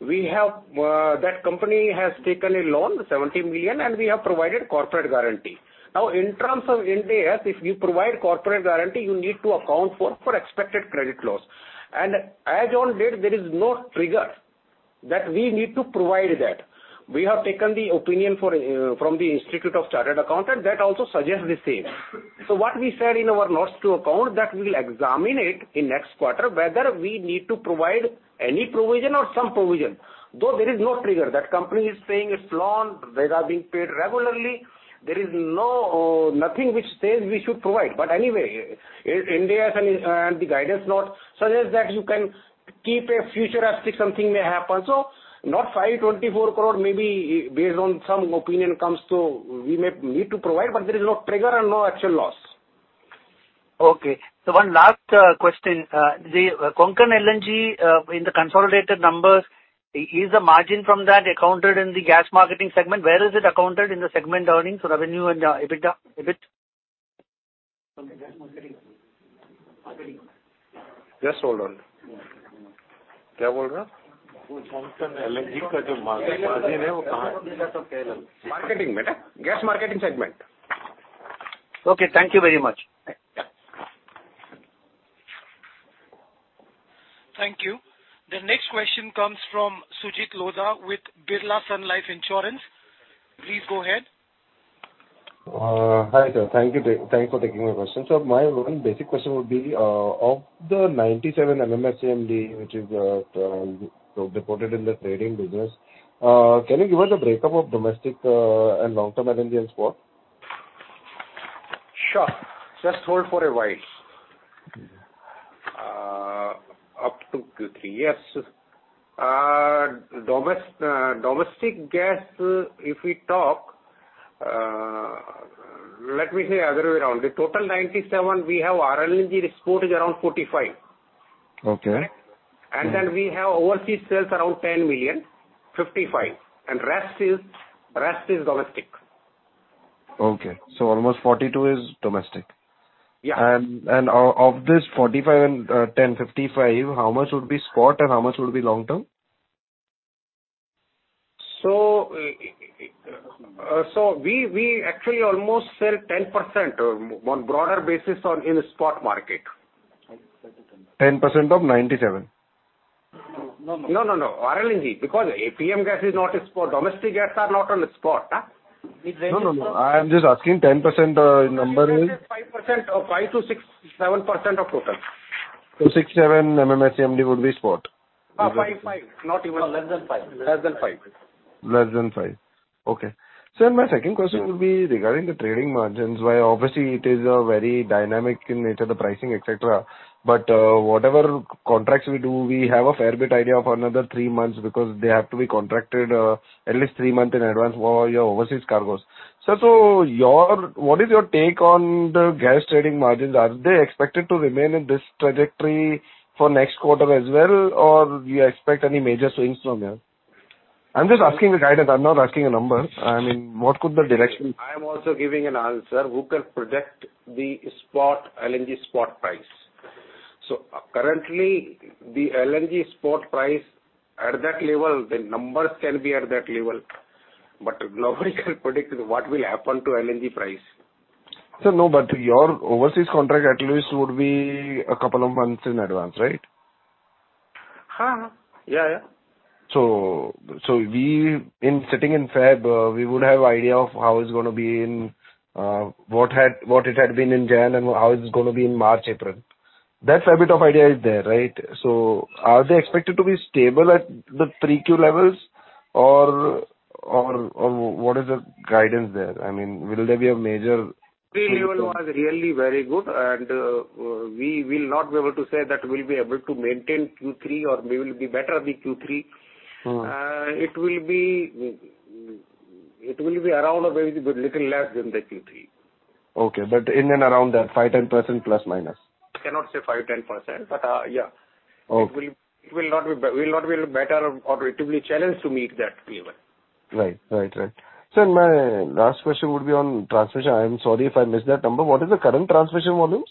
That company has taken a loan, $70 million, and we have provided corporate guarantee. Now, in terms of Ind AS, if you provide corporate guarantee, you need to account for expected credit loss. As on date, there is no trigger that we need to provide that. We have taken the opinion from the Institute of Chartered Accountants, that also suggests the same. What we said in our notes to accounts that we'll examine it in next quarter, whether we need to provide any provision or some provision. Though there is no trigger. That company is paying its loan, rates are being paid regularly. There is nothing which says we should provide. Anyway, Ind AS and the guidance note suggests that you can keep a futuristic something may happen. Not 524 crore, maybe based on some opinion comes to, we may need to provide, but there is no trigger and no actual loss. Okay. One last question. The Konkan LNG, in the consolidated numbers, is the margin from that accounted in the gas marketing segment? Where is it accounted, in the segment earnings, revenue and EBITDA, EBIT? Just hold on. Konkan LNG Marketing Gas marketing segment. Okay, thank you very much. Yeah. Thank you. The next question comes from Sujit Lodha with Aditya Birla Sun Life Insurance. Please go ahead. Hi, sir. Thank you. Thanks for taking my question. My one basic question would be, of the 97 MMSCMD, which is reported in the trading business, can you give us a breakup of domestic, and long-term LNG and spot? Sure. Just hold for a while. Up to two, three years. Domestic gas, if we talk, let me say other way around. The total 97, we have RLNG exported around 45. Okay. We have overseas sales around ₹10.55 million. The rest is domestic. Almost 42 is domestic. Yeah. Of this 45 and 10, 55, how much would be spot and how much would be long term? We actually almost sell 10% on broader basis in the spot market. 10% of 97? No, no. RLNG, because APM gas is not a spot. Domestic gas are not on the spot, huh? No, no. I am just asking 10%, number is- 5% of, 5%-6%, 7% of total. 6-7 MMSCMD would be spot. 5.5. Not even- No, less than five. Less than five. Okay. Sir, my second question would be regarding the trading margins. Well, obviously it is very dynamic in nature, the pricing, etc., but whatever contracts we do, we have a fair bit of an idea of the next three months because they have to be contracted at least three months in advance for your overseas cargos. Sir, what is your take on the gas trading margins? Are they expected to remain in this trajectory for next quarter as well, or do you expect any major swings from here? I'm just asking for guidance. I'm not asking a number. I mean, what could the direction I am also giving an answer. Who can predict the spot, LNG spot price? Currently the LNG spot price at that level, the numbers can be at that level, but nobody can predict what will happen to LNG price. Sir, no, but your overseas contract at least would be a couple of months in advance, right? Yeah, yeah. We sitting in February would have idea of how it's gonna be in what it had been in January and how it's gonna be in March, April. That fair bit of idea is there, right? Are they expected to be stable at the 3Q levels or what is the guidance there? I mean, will there be a major- Q3 level was really very good, and we will not be able to say that we'll be able to maintain Q3 or we will be better than Q3. Mm. It will be around or maybe little less than the Q3. Okay. In and around that 5-10%, plus, minus. Cannot say 5%-10%, but, yeah. Okay. It will not be better or relatively challenged to meet that level. Right. Sir, my last question would be on transmission. I am sorry if I missed that number. What is the current transmission volumes?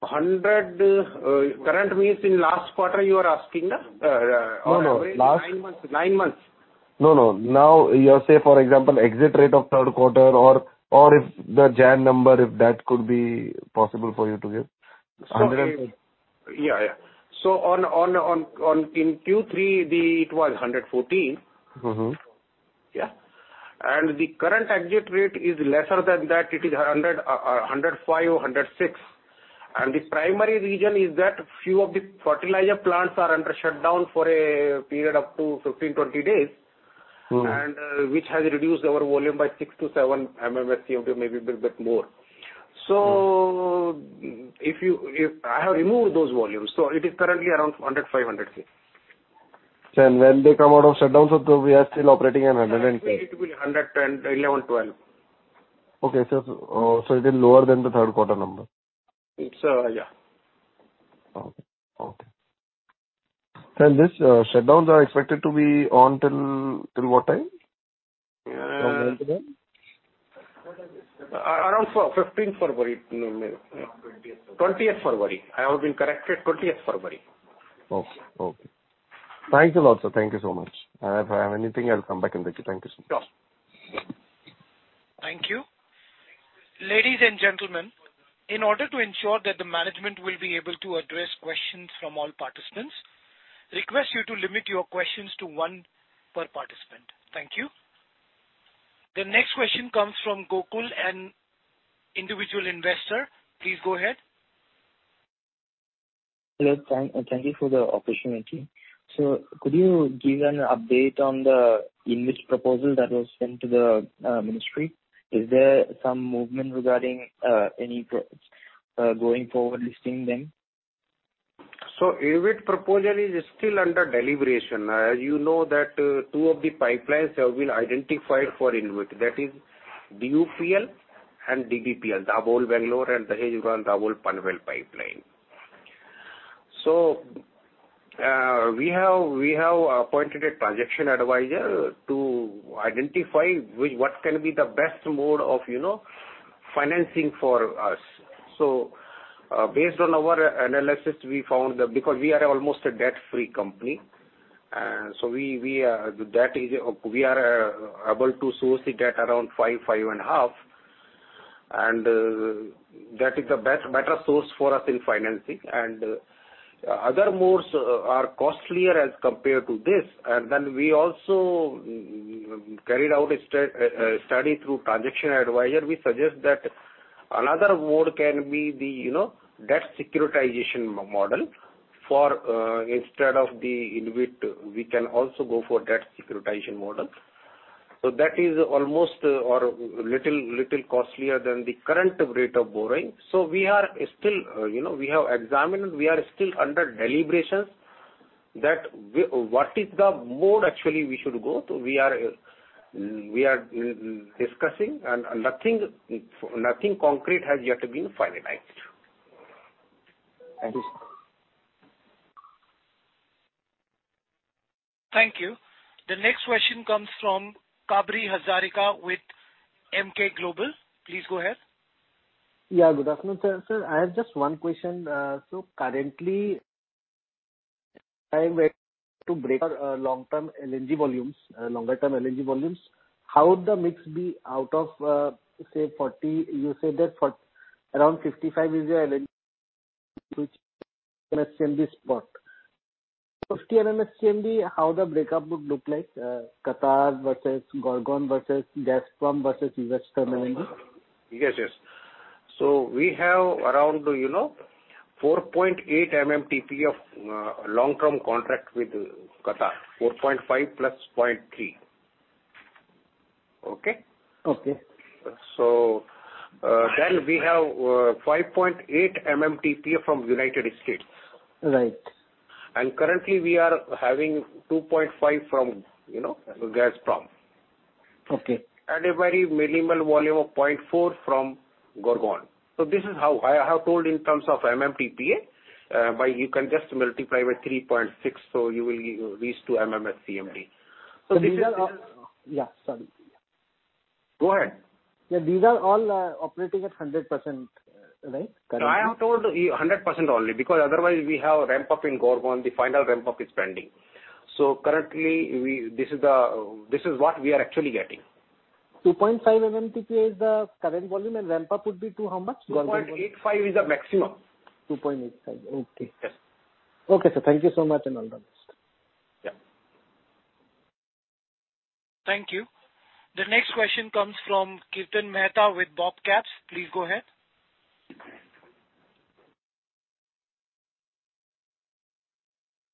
100, current means in last quarter you are asking? or average- No, no. Nine months. No, no. Now you are, say for example, exit rate of third quarter or if the Jan number, if that could be possible for you to give. Hundred and- In Q3 it was 114. Mm-hmm. Yeah. The current exit rate is lesser than that. It is 105, 106. The primary reason is that few of the fertilizer plants are under shutdown for a period up to 15-20 days. Mm. which has reduced our volume by six-seven MMSCFD, maybe little bit more. I have removed those volumes, so it is currently around 105, 106. Sir, when they come out of shutdowns, we are still operating at 100 and- It will be 111, 12. Okay. It is lower than the third quarter number. It's, yeah. Okay. These shutdowns are expected to be on till what time, from end to end? Around fifteenth February. No, maybe Twentieth February. Twentieth February. I have been corrected, twentieth February. Okay. Thank you a lot, sir. Thank you so much. If I have anything, I'll come back in touch. Thank you, sir. Sure. Thank you. Ladies and gentlemen, in order to ensure that the management will be able to address questions from all participants, request you to limit your questions to one per participant. Thank you. The next question comes from Gokul, an individual investor. Please go ahead. Hello. Thank you for the opportunity. Could you give an update on the InvIT proposal that was sent to the ministry? Is there some movement regarding going forward listing then? InvIT proposal is still under deliberation. As you know that, two of the pipelines have been identified for InvIT, that is BUPL and DBPL, Dabhol-Bangalore and Dahej-Gondal-Dabhol-Panvel pipeline. We have appointed a transaction advisor to identify what can be the best mode of, you know, financing for us. Based on our analysis, we found that because we are almost a debt-free company, and so we are able to source the debt around 5-5.5%. That is the best, better source for us in financing. Then we also carried out a study through transaction advisor. We suggest that another mode can be the, you know, debt securitization model instead of the InvIT. We can also go for debt securitization model. That is almost a little costlier than the current rate of borrowing. We are still, you know, we have examined. We are still under deliberations that what is the mode actually we should go to. We are discussing and nothing concrete has yet been finalized. Thank you, sir. Thank you. The next question comes from Sabri Hazarika with Emkay Global. Please go ahead. Yeah, good afternoon, sir. Sir, I have just one question. Currently trying to breakdown long-term LNG volumes, how would the mix be out of say 40, you say that around 55 is your LNG, which 50 MMSCFD spot. 50 MMSCFD, how the breakup would look like, Qatar versus Gorgon versus Gazprom versus Western LNG? Yes, yes. We have around, you know, 4.8 MMTPA of long-term contract with Qatar. 4.5 + 0.3. Okay? Okay. We have 5.8 MMTPA from United States. Right. Currently we are having 2.5 from, you know, Gazprom. Okay. A very minimal volume of 0.4 from Gorgon. This is how I have told in terms of MMTPA, but you can just multiply by 3.6, so you will reach to MMSCMD. This is Yeah. Sorry. Go ahead. Yeah. These are all operating at 100%, right? Currently. No, I have told you 100% only because otherwise we have ramp up in Gorgon. The final ramp up is pending. Currently, this is what we are actually getting. 2.5 MMTPA is the current volume, and ramp up would be to how much? Gorgon volume. 2.85 is the maximum. 2.85. Okay. Yes. Okay, sir. Thank you so much, and all the best. Yeah. Thank you. The next question comes from Kirtan Mehta with BOB Capital Markets. Please go ahead.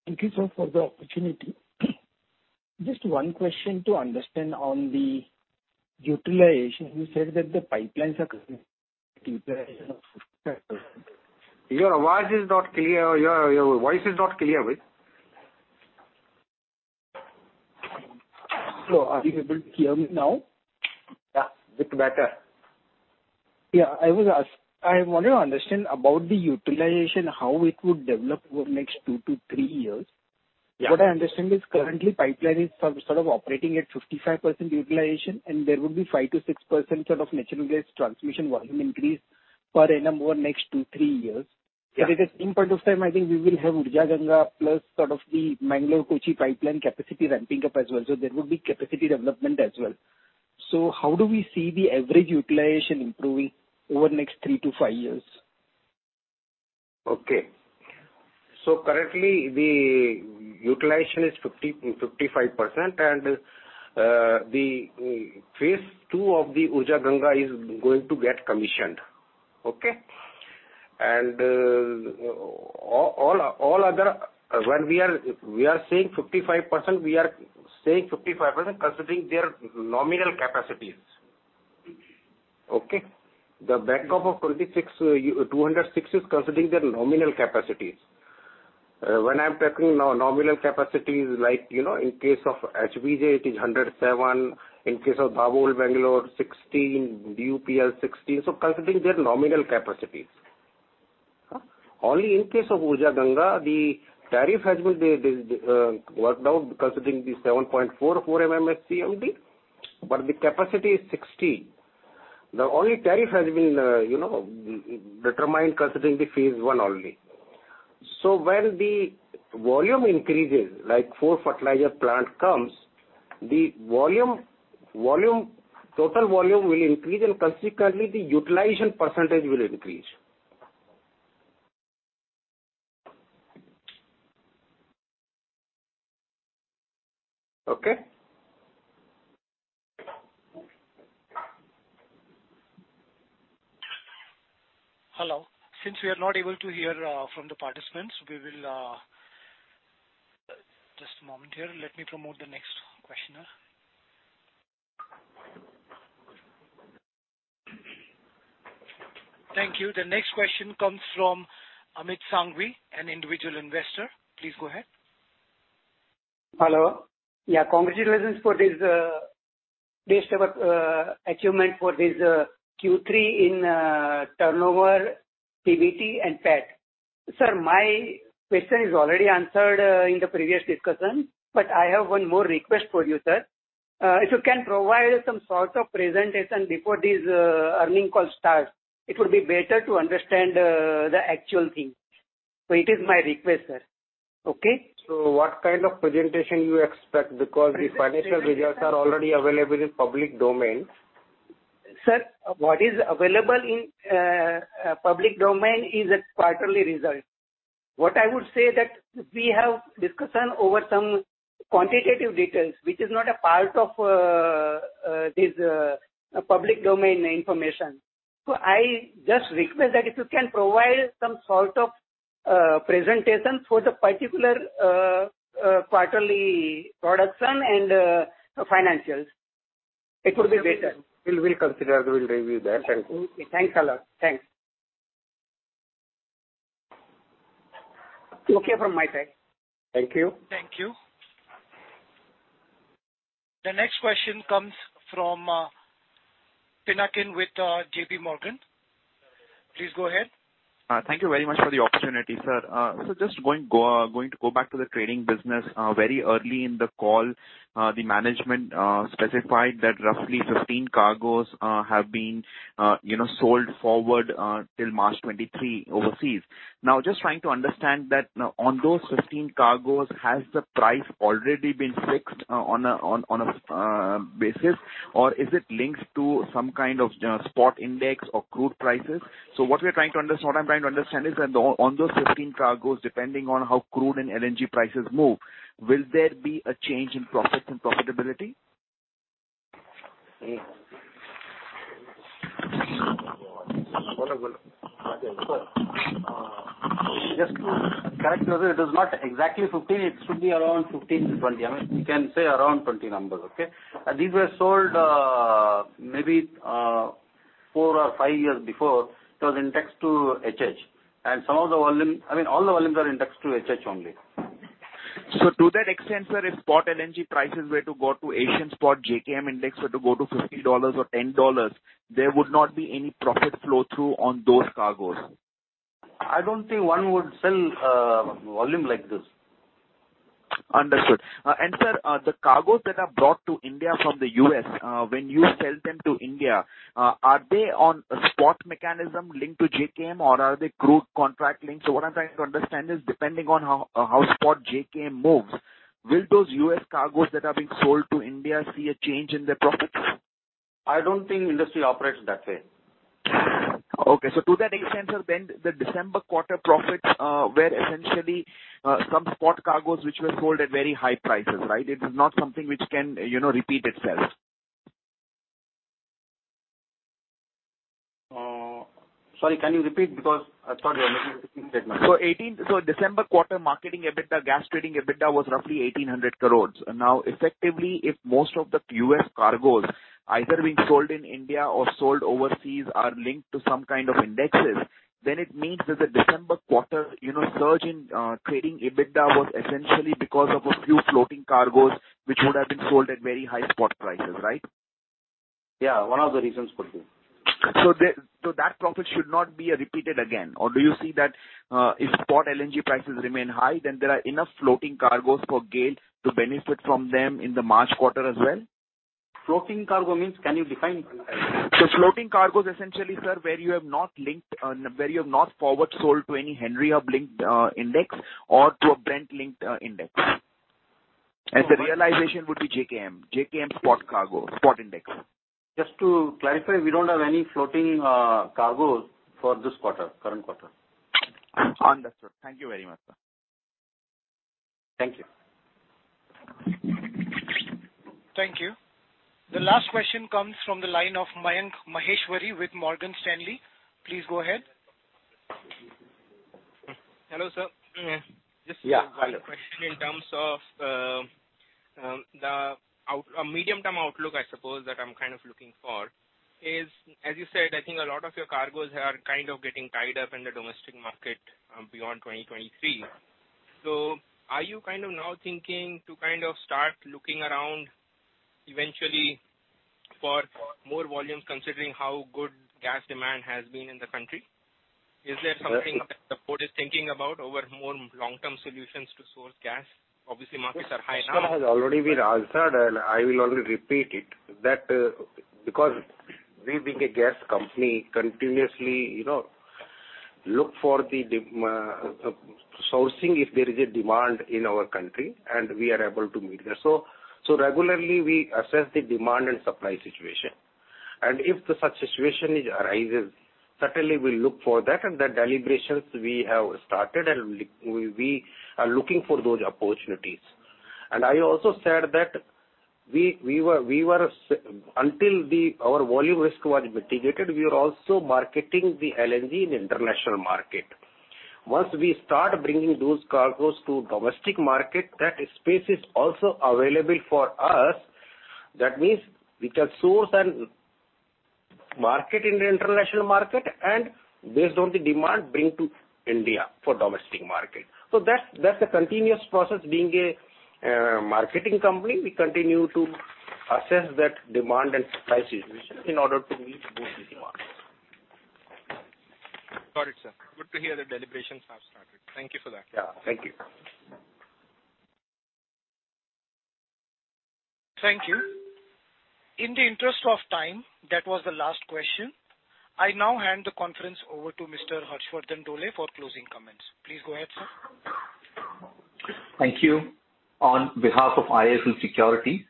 Thank you, sir, for the opportunity. Just one question to understand on the utilization. You said that the pipelines are Your voice is not clear. Your voice is not clear. Are you able to hear me now? Yeah. A bit better. Yeah. I want to understand about the utilization, how it would develop over next 2-3 years. Yeah. What I understand is currently pipeline is sort of operating at 55% utilization, and there would be 5%-6% sort of natural gas transmission volume increase per annum over next two-three years. Yeah. At the same point of time, I think we will have Urja Ganga plus sort of the Kochi-Mangalore pipeline capacity ramping up as well. There would be capacity development as well. How do we see the average utilization improving over the next three-five years? Currently the utilization is 50-55%. Phase II of the Urja Ganga is going to get commissioned. When we are saying 55%, we are saying 55% considering their nominal capacities. The booked up of 26 to 206 is considering their nominal capacities. When I'm talking nominal capacities, like, you know, in case of HBJ it is 107, in case of Dabhol-Bangalore 16, DUPL 16, so considering their nominal capacities. Only in case of Urja Ganga, the tariff has been worked out considering the 7.44 MMSCMD, but the capacity is 60. The tariff has been determined considering the phase I only. When the volume increases, like fertilizer plant comes, the volume, total volume will increase, and consequently the utilization percentage will increase. Okay? Hello. Since we are not able to hear from the participants, just a moment here. Let me promote the next questioner. Thank you. The next question comes from Amit Sanghvi, an Individual Investor. Please go ahead. Hello. Yeah, congratulations for this achievement for this Q3 in turnover, PBT and PAT. Sir, my question is already answered in the previous discussion, but I have one more request for you, sir. If you can provide some sort of presentation before this earnings call starts, it would be better to understand the actual thing. It is my request, sir. Okay? What kind of presentation you expect? Because the financial results are already available in public domain. Sir, what is available in public domain is a quarterly result. What I would say that we have discussion over some quantitative details, which is not a part of this public domain information. I just request that if you can provide some sort of presentation for the particular quarterly production and financials, it would be better. We'll consider. We'll review that. Thank you. Thanks a lot. Thanks. Okay from my side. Thank you. Thank you. The next question comes from Pinakin with J.P. Morgan. Please go ahead. Thank you very much for the opportunity, sir. Just going to go back to the trading business. Very early in the call, the management specified that roughly 15 cargos have been, you know, sold forward till March 2023 overseas. Now, just trying to understand that on those 15 cargos, has the price already been fixed on a basis, or is it linked to some kind of spot index or crude prices? What I'm trying to understand is on those 15 cargos, depending on how crude and LNG prices move, will there be a change in profits and profitability? Just to clarify, it is not exactly 15, it should be around 15-20. I mean, we can say around 20 numbers, okay? These were sold, maybe, four or five years before it was indexed to HH. Some of the volume, I mean, all the volumes are indexed to HH only. To that extent, sir, if Asian spot JKM index were to go to $50 or $10, there would not be any profit flow through on those cargoes. I don't think one would sell volume like this. Understood. Sir, the cargoes that are brought to India from the U.S., when you sell them to India, are they on a spot mechanism linked to JKM or are they crude contract linked? What I'm trying to understand is, depending on how spot JKM moves, will those U.S. cargoes that are being sold to India see a change in their profits? I don't think industry operates that way. Okay. To that extent, sir, then the December quarter profits were essentially some spot cargoes which were sold at very high prices, right? It is not something which can, you know, repeat itself. Sorry, can you repeat? Because I thought you were making a different statement. December quarter marketing EBITDA, gas trading EBITDA was roughly 1,800 crores. Now, effectively, if most of the U.S. cargoes either being sold in India or sold overseas are linked to some kind of indexes, then it means that the December quarter, you know, surge in trading EBITDA was essentially because of a few floating cargoes which would have been sold at very high spot prices. Right? Yeah. One of the reasons could be. That profit should not be repeated again. Do you see that if spot LNG prices remain high, then there are enough floating cargoes for GAIL to benefit from them in the March quarter as well. Floating cargo means, can you define? Floating cargoes essentially, sir, where you have not forward sold to any Henry Hub linked index or to a Brent linked index. The realization would be JKM spot cargo, spot index. Just to clarify, we don't have any floating cargoes for this quarter, current quarter. Understood. Thank you very much, sir. Thank you. Thank you. The last question comes from the line of Mayank Maheshwari with Morgan Stanley. Please go ahead. Hello, sir. Yeah. Hello. Just one question in terms of a medium-term outlook, I suppose that I'm kind of looking for is, as you said, I think a lot of your cargoes are kind of getting tied up in the domestic market beyond 2023. Are you kind of now thinking to kind of start looking around eventually for more volumes, considering how good gas demand has been in the country? Is there something that the board is thinking about over more long-term solutions to source gas? Obviously, markets are high now. This question has already been answered, and I will only repeat it. That, because we, being a gas company, continuously, you know, look for the sourcing if there is a demand in our country, and we are able to meet that. Regularly we assess the demand and supply situation. If such situation arises, certainly we look for that. The deliberations we have started, and we are looking for those opportunities. I also said that we were until our volume risk was mitigated, we are also marketing the LNG in international market. Once we start bringing those cargoes to domestic market, that space is also available for us. That means we can source and market in the international market and based on the demand, bring to India for domestic market. That's a continuous process. Being a marketing company, we continue to assess that demand and supply situation in order to meet those demands. Got it, sir. Good to hear the deliberations have started. Thank you for that. Yeah. Thank you. Thank you. In the interest of time, that was the last question. I now hand the conference over to Mr. Harshvardhan Dole for closing comments. Please go ahead, sir. Thank you. On behalf of IIFL Securities,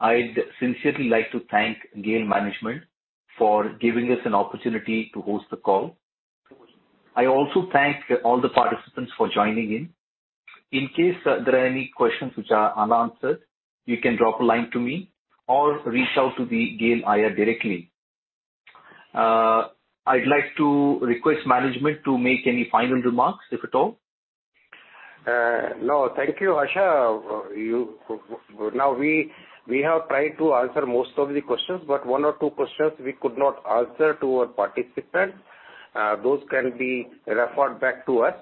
I'd sincerely like to thank GAIL management for giving us an opportunity to host the call. I also thank all the participants for joining in. In case there are any questions which are unanswered, you can drop a line to me or reach out to the GAIL IR directly. I'd like to request management to make any final remarks, if at all. No. Thank you, Harsha. We have tried to answer most of the questions, but one or two questions we could not answer to our participants. Those can be referred back to us,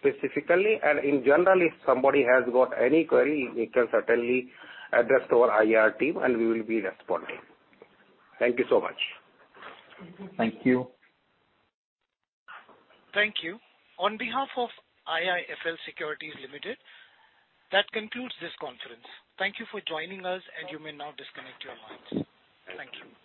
specifically. In general, if somebody has got any query, it can certainly address to our IR team, and we will be responding. Thank you so much. Thank you. Thank you. On behalf of IIFL Securities Limited, that concludes this conference. Thank you for joining us, and you may now disconnect your lines. Thank you.